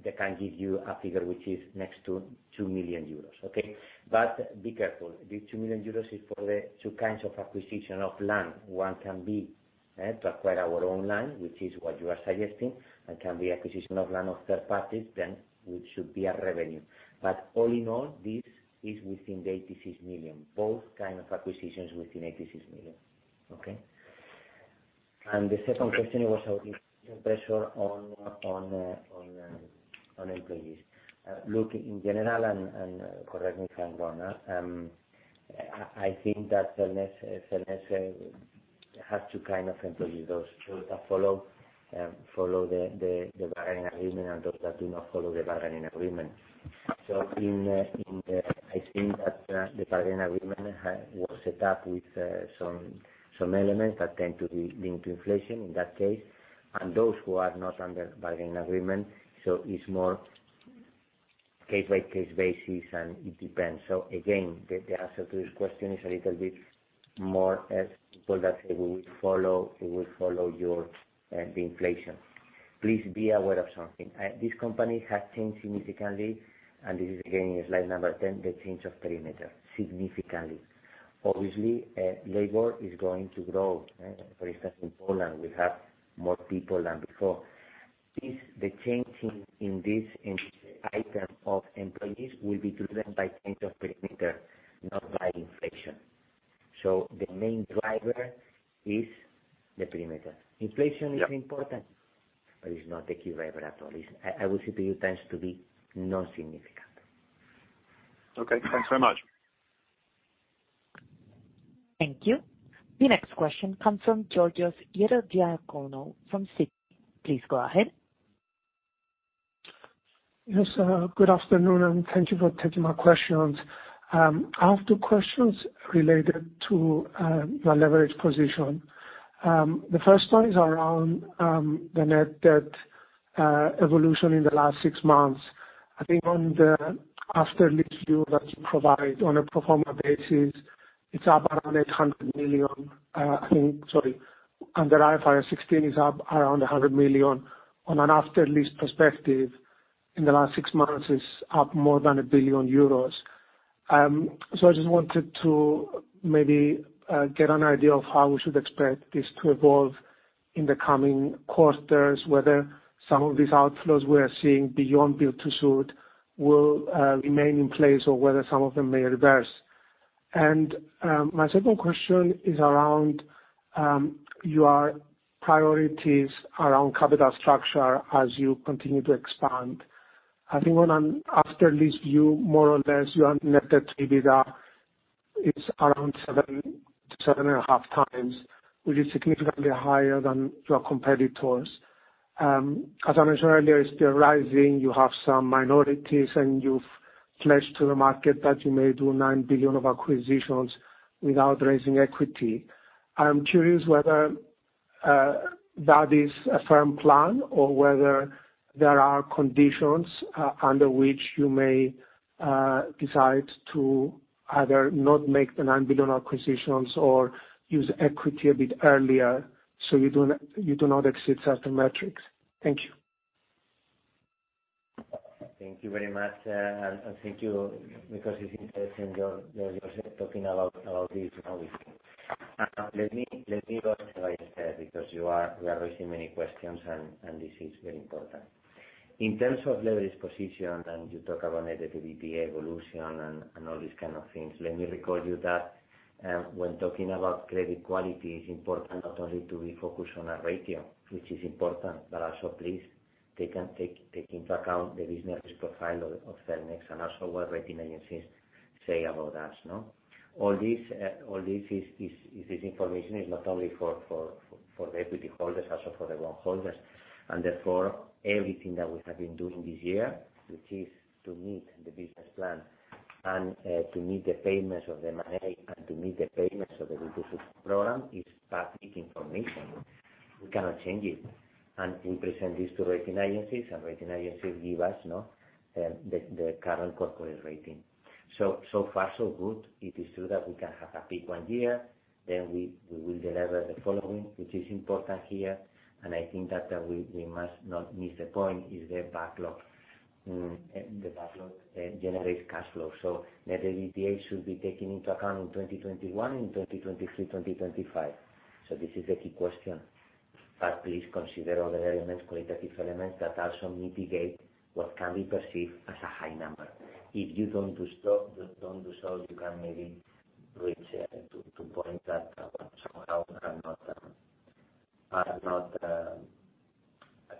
That can give you a figure which is next to 2 million euros. Okay? Be careful. The 2 million euros is for the two kinds of acquisition of land. One can be to acquire our own land, which is what you are suggesting, and can be acquisition of land of third parties then, which should be a revenue. All in all, this is within the 86 million. Both kind of acquisitions within 86 million. Okay? The second question was how is your pressure on employees. Look, in general, correct me if I'm wrong, I think that Cellnex has two kind of employees, those that follow the bargaining agreement and those that do not follow the bargaining agreement. I think that the bargaining agreement was set up with some elements that tend to be linked to inflation in that case. Those who are not under bargaining agreement, it's more case by case basis and it depends. Again, the answer to this question is a little bit more as people that say we will follow the inflation. Please be aware of something. This company has changed significantly, and this is again in slide number 10, the change of perimeter. Significantly. Obviously, labor is going to grow. For instance, in Poland, we have more people than before. The change in this item of employees will be driven by change of perimeter, not by inflation. The main driver is the perimeter. Yeah. Inflation is important, but it's not the key driver at all. I will say to you, tends to be non-significant. Okay, thanks so much. Thank you. The next question comes from Georgios Ierodiaconou from Citi. Please go ahead. Yes, good afternoon, and thank you for taking my questions. I have two questions related to your leverage position. The first one is around the net debt evolution in the last six months. I think on the after-lease view that you provide on a pro forma basis, it's up around 800 million. Under IFRS 16, it's up around 100 million. On an after-lease perspective, in the last six months, it's up more than 1 billion euros. So I just wanted to maybe get an idea of how we should expect this to evolve in the coming quarters, whether some of these outflows we are seeing beyond build-to-suit will remain in place or whether some of them may reverse. My second question is around your priorities around capital structure as you continue to expand. I think on an after-lease view, more or less, your net debt-to-EBITDA is around seven to 7.5 times, which is significantly higher than your competitors. As I mentioned earlier, it's still rising. You have some minorities, and you've pledged to the market that you may do 9 billion of acquisitions without raising equity. I am curious whether that is a firm plan or whether there are conditions under which you may decide to either not make the 9 billion acquisitions or use equity a bit earlier, so you do not exceed certain metrics. Thank you. Thank you very much and thank you because it's interesting, Georgios, talking about this, you know, this thing. Let me go to my screen because we are receiving many questions and this is very important. In terms of leverage position, and you talk about net-to-EBITDA evolution and all these kind of things, let me recall you that when talking about credit quality, it's important not only to be focused on a ratio, which is important, but also please take into account the business profile of Cellnex and also what rating agencies say about us, no? All this is. This information is not only for the equity holders, also for the loan holders, and therefore everything that we have been doing this year, which is to meet the business plan and to meet the payments of the M&A and to meet the payments of the build-to-suit program, is public information. We cannot change it. We present this to rating agencies, and rating agencies give us the current corporate rating. So far so good. It is true that we can have a peak one year, then we will deliver the following, which is important here, and I think that we must not miss the point, is the backlog. The backlog generates cash flow. So net-to-EBITDA should be taken into account in 2021, in 2023, 2025. This is the key question. Please consider other elements, qualitative elements, that also mitigate what can be perceived as a high number. If you don't do so, you can maybe reach to a point that somehow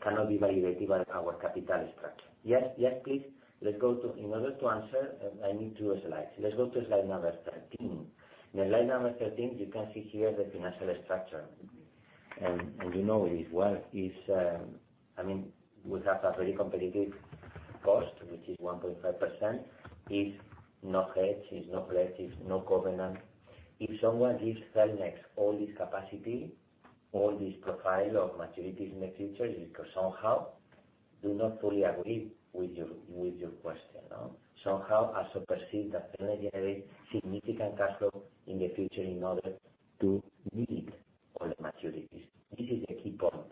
cannot be validated by our capital structure. Yes, please. In order to answer, I need 2 slides. Let's go to slide number 13. In slide number 13, you can see here the financial structure. You know it is well. It's. I mean, we have a very competitive cost, which is 1.5%. It's not hedged, it's not pledged, it's not covenant. If someone gives Cellnex all this capacity, all this profile of maturities in the future, it is because somehow do not fully agree with your question, no? Somehow also perceive that Cellnex generate significant cash flow in the future in order to meet all the maturities. This is the key point.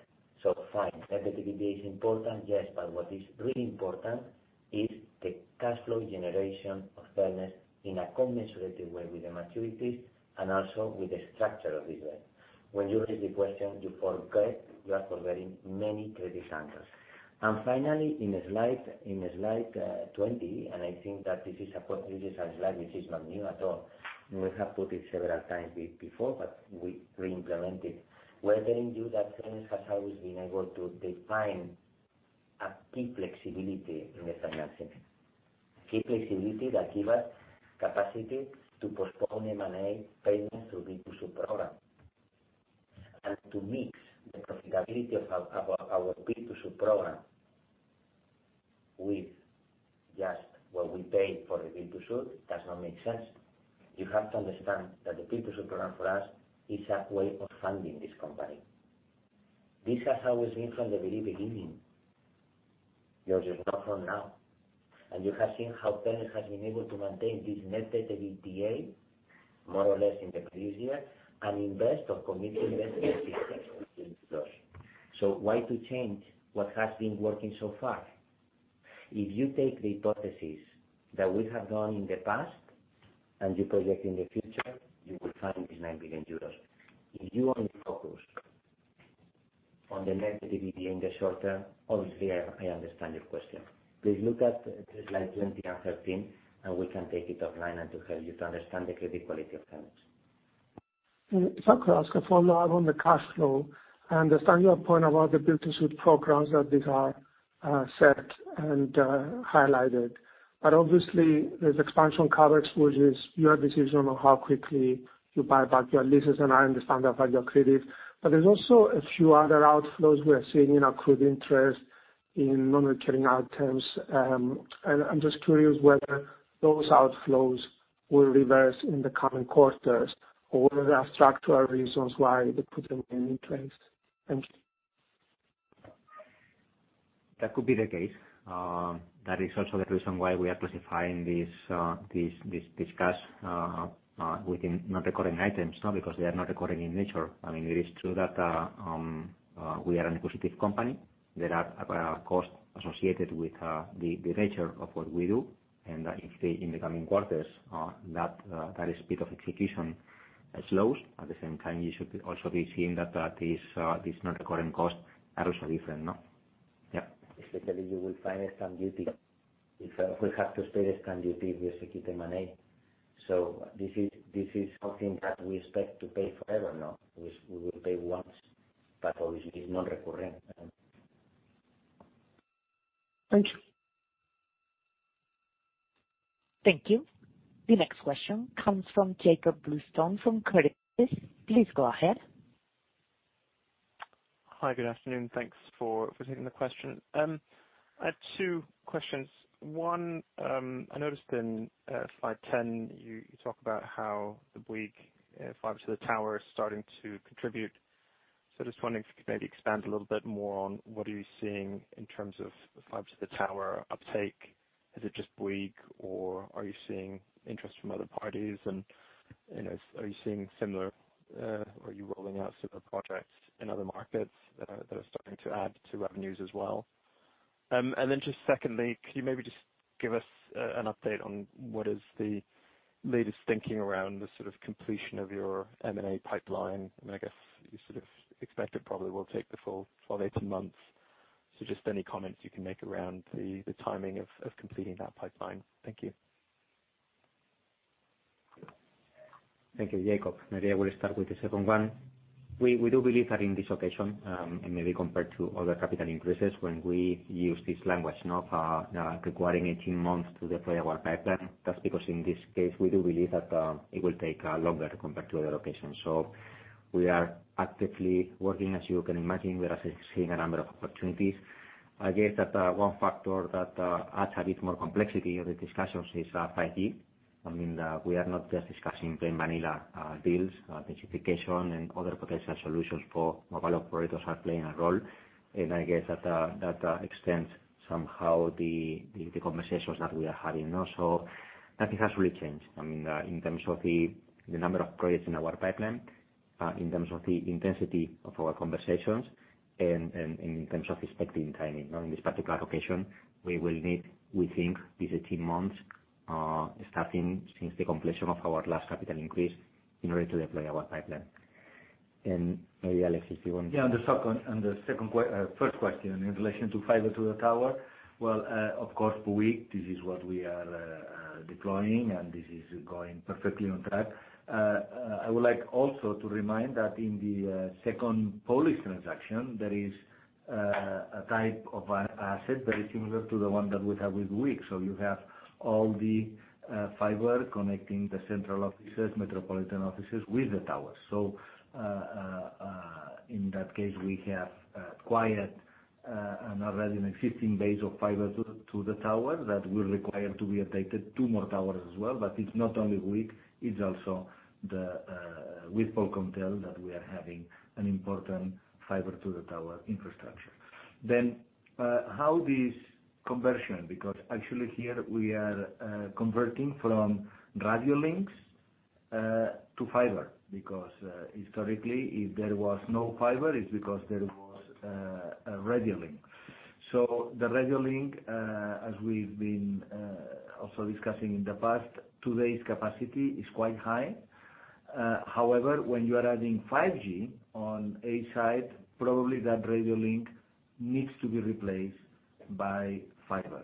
Fine, net-to-EBITDA is important, yes, but what is really important is the cash flow generation of Cellnex in a commensurative way with the maturities and also with the structure of this debt. When you raise the question, you forget, you are forgetting many credit angles. Finally, in slide 20, and I think that this is a point, this is a slide which is not new at all. We have put it several times before, but we re-implement it. We are telling you that Cellnex has always been able to define a key flexibility in the financing. Key flexibility that give us capacity to postpone M&A payments to build-to-suit program. To mix the profitability of our build-to-suit program with just what we pay for the build-to-suit does not make sense. You have to understand that the build-to-suit program for us is a way of funding this company. This has always been from the very beginning. Georgios, not from now. You have seen how Cellnex has been able to maintain this net debt-to-EBITDA more or less in the previous years and invest or commit to invest in this sector in growth. Why to change what has been working so far? If you take the hypothesis that we have done in the past and you project in the future, you will find this 9 billion euros. If you only focus on the net debt in the short term, obviously, I understand your question. Please look at slide 20 and 13, and we can take it offline and to help you to understand the credit quality of Cellnex. If I could ask a follow-up on the cash flow. I understand your point about the build-to-suit programs, that these are set and highlighted. Obviously, there's expansion CapEx, which is your decision on how quickly you buy back your leases, and I understand the effect on your credit. There's also a few other outflows we are seeing in accrued interest and non-recurring items. I'm just curious whether those outflows will reverse in the coming quarters or are there structural reasons why they put them in interest? Thank you. That could be the case. That is also the reason why we are specifying this cash within non-recurring items, no? Because they are not recurring in nature. I mean, it is true that we are an acquisitive company. There are costs associated with the nature of what we do and that if in the coming quarters that speed of execution slows. At the same time, you should also be seeing that is this non-recurring costs are also different, no? Yeah. Especially, you will find a stamp duty. If we have to pay the stamp duty, we execute M&A. This is something that we expect to pay forever now. We will pay once, but obviously it's non-recurring. Thank you. Thank you. The next question comes from Jakob Bluestone from Credit Suisse. Please go ahead. Hi, good afternoon. Thanks for taking the question. I had two questions. One, I noticed in slide 10, you talk about how the Bouygues fiber to the tower is starting to contribute. So just wondering if you could maybe expand a little bit more on what are you seeing in terms of the fiber to the tower uptake. Is it just Bouygues, or are you seeing interest from other parties? And, you know, are you rolling out similar projects in other markets that are starting to add to revenues as well? And then just secondly, could you maybe just give us an update on what is the latest thinking around the sort of completion of your M&A pipeline? I mean, I guess you sort of expect it probably will take the full 12, 18 months. Just any comments you can make around the timing of completing that pipeline? Thank you. Thank you, Jakob. Maybe I will start with the second one. We do believe that in this occasion, and maybe compared to other capital increases when we use this language now of requiring 18 months to deploy our pipeline. That's because in this case, we do believe that it will take longer compared to other occasions. We are actively working, as you can imagine. We are seeing a number of opportunities. I guess that one factor that adds a bit more complexity to the discussions is 5G. I mean, we are not just discussing plain vanilla deals, specification and other potential solutions for mobile operators are playing a role. I guess that that extends somehow the conversations that we are having, no? Nothing has really changed. I mean, in terms of the number of projects in our pipeline, in terms of the intensity of our conversations and in terms of expected timing on this particular occasion, we will need, we think these 18 months, starting since the completion of our last capital increase in order to deploy our pipeline. Maybe Àlex, if you want. Yeah, on the second first question in relation to fiber to the tower. Well, of course, Bouygues, this is what we are deploying, and this is going perfectly on track. I would like also to remind that in the second Polish transaction, there is a type of asset very similar to the one that we have with Bouygues. You have all the fiber connecting the central offices, metropolitan offices with the tower. In that case, we have acquired an already existing base of fiber to the tower that will require to be updated, two more towers as well. It's not only Bouygues, it's also with Polkomtel that we are having an important fiber to the tower infrastructure. How this conversion, because actually here we are converting from radio links to fiber, because historically, if there was no fiber, it's because there was a radio link. The radio link, as we've been also discussing in the past, today's capacity is quite high. However, when you are adding 5G on a side, probably that radio link needs to be replaced by fiber.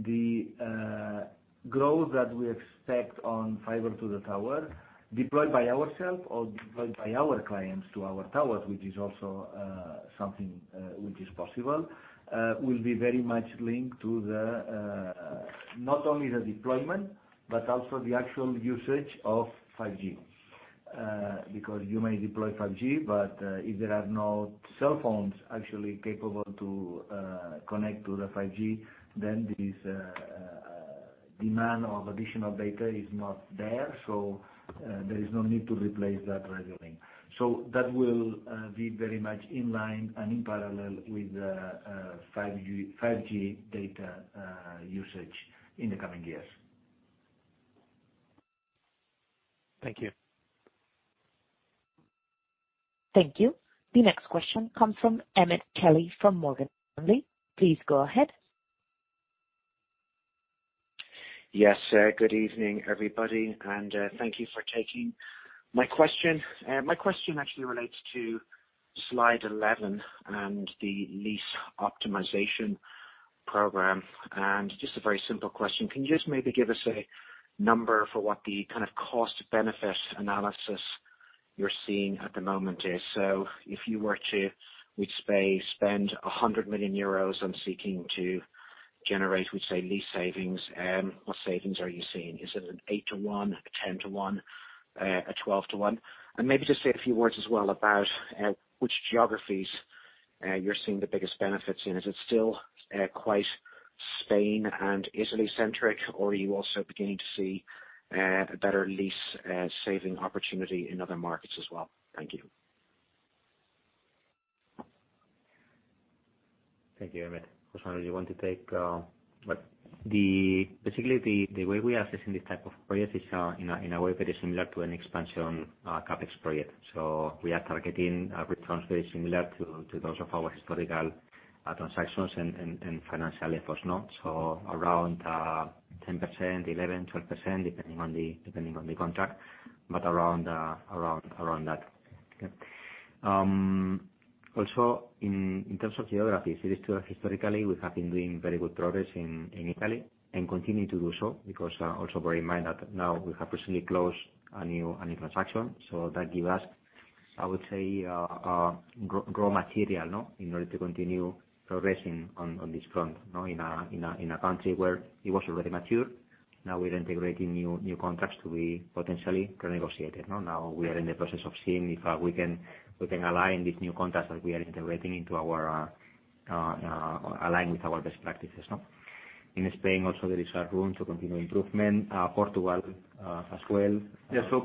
The growth that we expect on fiber to the tower, deployed by ourself or deployed by our clients to our towers, which is also something which is possible, will be very much linked to the not only the deployment, but also the actual usage of 5G. Because you may deploy 5G, but if there are no cell phones actually capable to connect to the 5G, then this demand of additional data is not there. There is no need to replace that radio link. That will be very much in line and in parallel with 5G data usage in the coming years. Thank you. Thank you. The next question comes from Emmet Kelly from Morgan Stanley. Please go ahead. Yes, good evening, everybody, and, thank you for taking my question. My question actually relates to slide 11 and the lease optimization program. Just a very simple question, can you just maybe give us a number for what the kind of cost-benefit analysis you're seeing at the moment is? If you were to, we'd say, spend 100 million euros on seeking to generate, we'd say lease savings, what savings are you seeing? Is it an eight-to-one, a 10-to-one, a 12-to-one? Maybe just say a few words as well about, which geographies, you're seeing the biggest benefits in. Is it still quite Spain and Italy-centric, or are you also beginning to see a better lease saving opportunity in other markets as well? Thank you. Thank you, Emmet. José, do you want to take? Particularly the way we are assessing this type of project is in a way very similar to an expansion CapEx project. We are targeting returns very similar to those of our historical transactions and financially for us now. Around 10%, 11%, 12%, depending on the contract, but around that. Yeah. Also in terms of geographies, it is true historically we have been doing very good progress in Italy and continue to do so because also bear in mind that now we have recently closed a new transaction. That give us, I would say, raw material, you know, in order to continue progressing on this front, you know, in a country where it was already mature. Now we're integrating new contracts to be potentially renegotiated. Now we are in the process of seeing if we can align these new contracts that we are integrating into our with our best practices, no? In Spain also there is room to continue improvement, Portugal as well.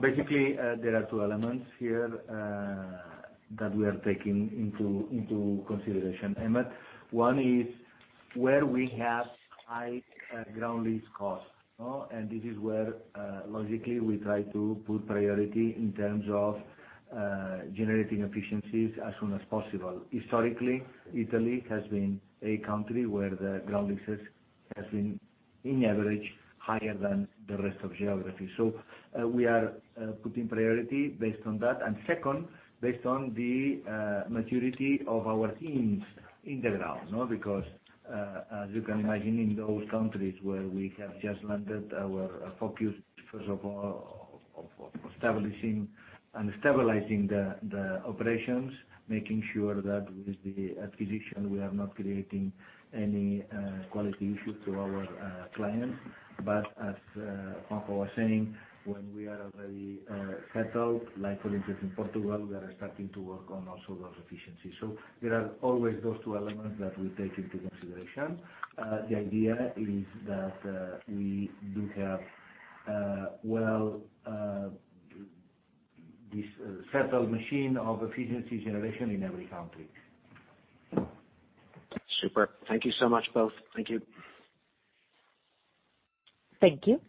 Basically, there are two elements here that we are taking into consideration, Emmet. One is where we have high ground lease costs, and this is where logically we try to put priority in terms of generating efficiencies as soon as possible. Historically, Italy has been a country where the ground leases has been, on average, higher than the rest of geography. We are putting priority based on that. Second, based on the maturity of our teams on the ground, no? Because, as you can imagine, in those countries where we have just landed, our focus first of all establishing and stabilizing the operations, making sure that with the acquisition we are not creating any quality issues to our clients. As I was saying, when we are already settled, like for instance in Portugal, we are starting to work on also those efficiencies. There are always those two elements that we take into consideration. The idea is that we do have well this settled machine of efficiency generation in every country. Super. Thank you so much, both. Thank you. Thank you.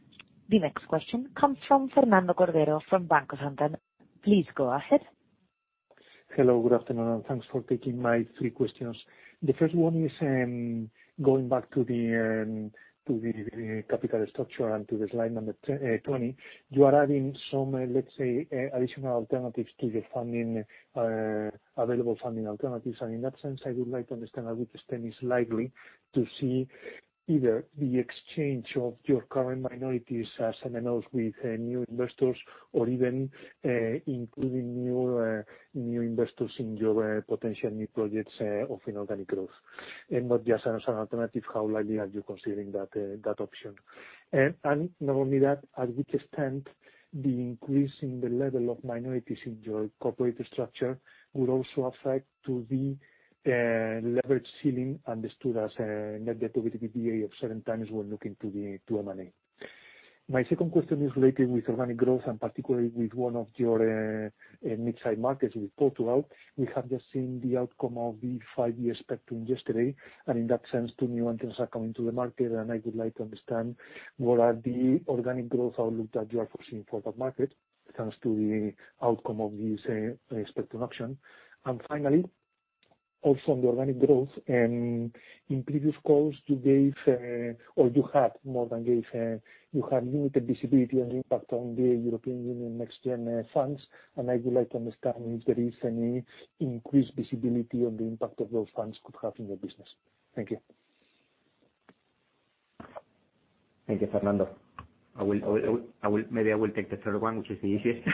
The next question comes from Fernando Cordero of Banco Santander. Please go ahead. Hello, good afternoon, and thanks for taking my three questions. The first one is going back to the capital structure and to the slide number 10, 20. You are adding some, let's say, additional alternatives to the funding, available funding alternatives. In that sense, I would like to understand how this then is likely to see either the exchange of your current minorities as MNOs with new investors or even including new investors in your potential new projects of inorganic growth. Not just as an alternative, how likely are you considering that option? Not only that, to what extent the increase in the level of minorities in your corporate structure would also affect the leverage ceiling understood as a net debt to EBITDA of 7x when looking to the M&A. My second question is related with organic growth and particularly with one of your mid-sized markets, Portugal. We have just seen the outcome of the five-year spectrum yesterday, and in that sense, two new entrants are coming to the market, and I would like to understand what are the organic growth outlooks that you are foreseeing for that market, thanks to the outcome of this spectrum auction. Finally, also on the organic growth, in previous calls you had limited visibility and impact on the European Union NextGenerationEU funds. I would like to understand if there is any increased visibility on the impact of those funds could have in your business. Thank you. Thank you, Fernando. I will maybe take the third one, which is the easiest,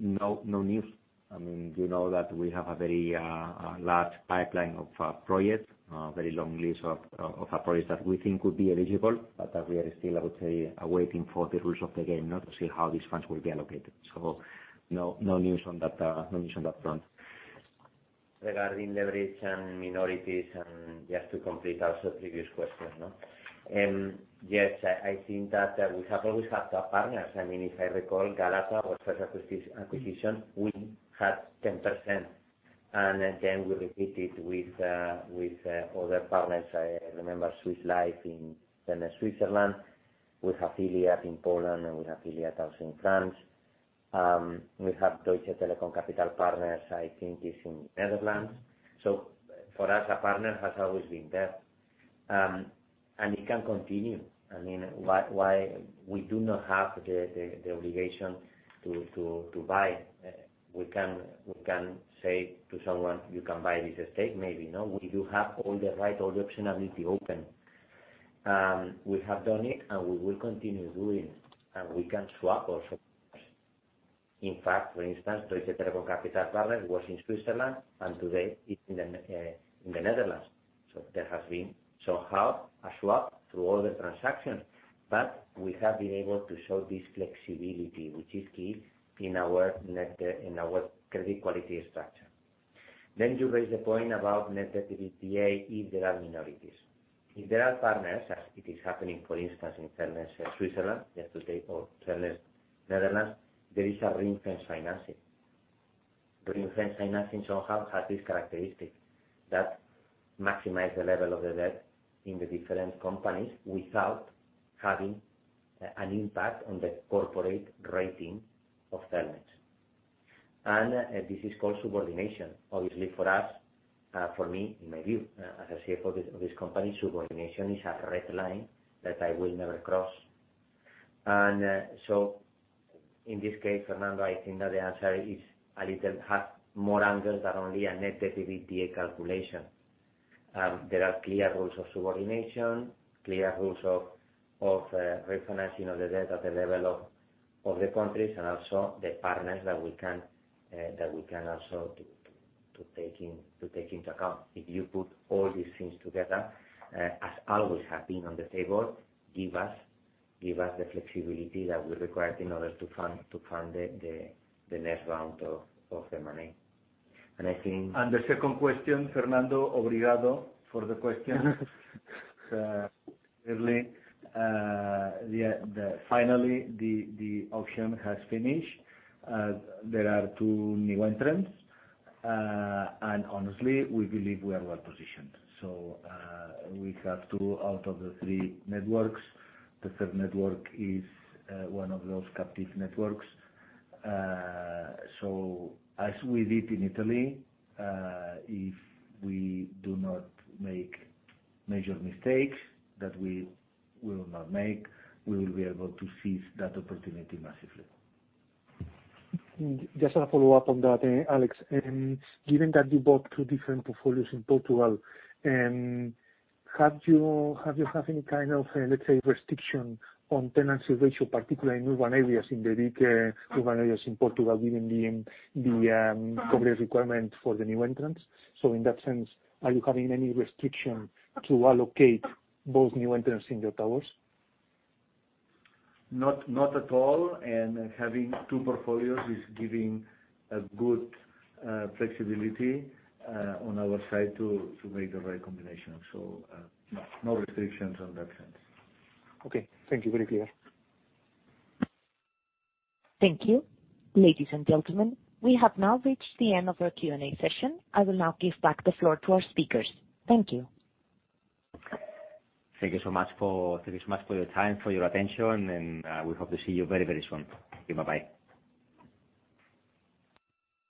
no news. I mean, you know that we have a very large pipeline of projects, very long list of projects that we think could be eligible, but that we are still, I would say, waiting for the rules of the game to see how these funds will be allocated. So no news on that, no news on that front. Regarding leverage and minorities, and just to complete also previous question, no? Yes, I think that we have always had partners. I mean, if I recall Galata, our first acquisition, we had 10%. Then we repeated with other partners. I remember Swiss Life in Switzerland. We have Iliad in Poland, and we have Iliad also in France. We have Deutsche Telekom Capital Partners, I think, is in the Netherlands. For us, a partner has always been there, and it can continue. I mean, why we do not have the obligation to buy. We can say to someone, "You can buy this estate," maybe, no? We do have all the right, all the optionality open. We have done it, and we will continue doing, and we can swap also. In fact, for instance, Deutsche Telekom Capital Partners was in Switzerland, and today it's in the, in the Netherlands. There has been somehow a swap through all the transactions. We have been able to show this flexibility, which is key in our net debt, in our credit quality structure. You raise the point about net debt to EBITDA if there are minorities. If there are partners, as it is happening, for instance, in Cellnex Switzerland yesterday or Cellnex Netherlands, there is a refinance financing. Refinance financing somehow has this characteristic that maximize the level of the debt in the different companies without having an impact on the corporate rating of Cellnex. This is called subordination. Obviously for us, for me, in my view, as a CFO of this company, subordination is a red line that I will never cross. In this case, Fernando, I think that the answer is a little more angles than only a net debt to EBITDA calculation. There are clear rules of subordination, clear rules of refinancing the debt at the level of the countries and also the partners that we can also take into account. If you put all these things together, as always have been on the table, give us the flexibility that we required in order to fund the next round of the money. I think. The second question, Fernando, obrigado for the question. Really, finally, the auction has finished. There are two new entrants. Honestly, we believe we are well positioned. We have two out of the three networks. The third network is one of those captive networks. As we did in Italy, if we do not make major mistakes that we will not make, we will be able to seize that opportunity massively. Just a follow-up on that, Àlex. Given that you bought two different portfolios in Portugal, do you have any kind of, let's say, restriction on tenancy ratio, particularly in urban areas, in the big urban areas in Portugal, given the coverage requirement for the new entrants? In that sense, are you having any restriction to allocate both new entrants in your towers? Not at all. Having two portfolios is giving a good flexibility on our side to make the right combination. No restrictions on that sense. Okay. Thank you. Very clear. Thank you. Ladies and gentlemen, we have now reached the end of our Q&A session. I will now give back the floor to our speakers. Thank you. Thank you so much for your time, for your attention, and we hope to see you very, very soon. Okay. Bye-bye.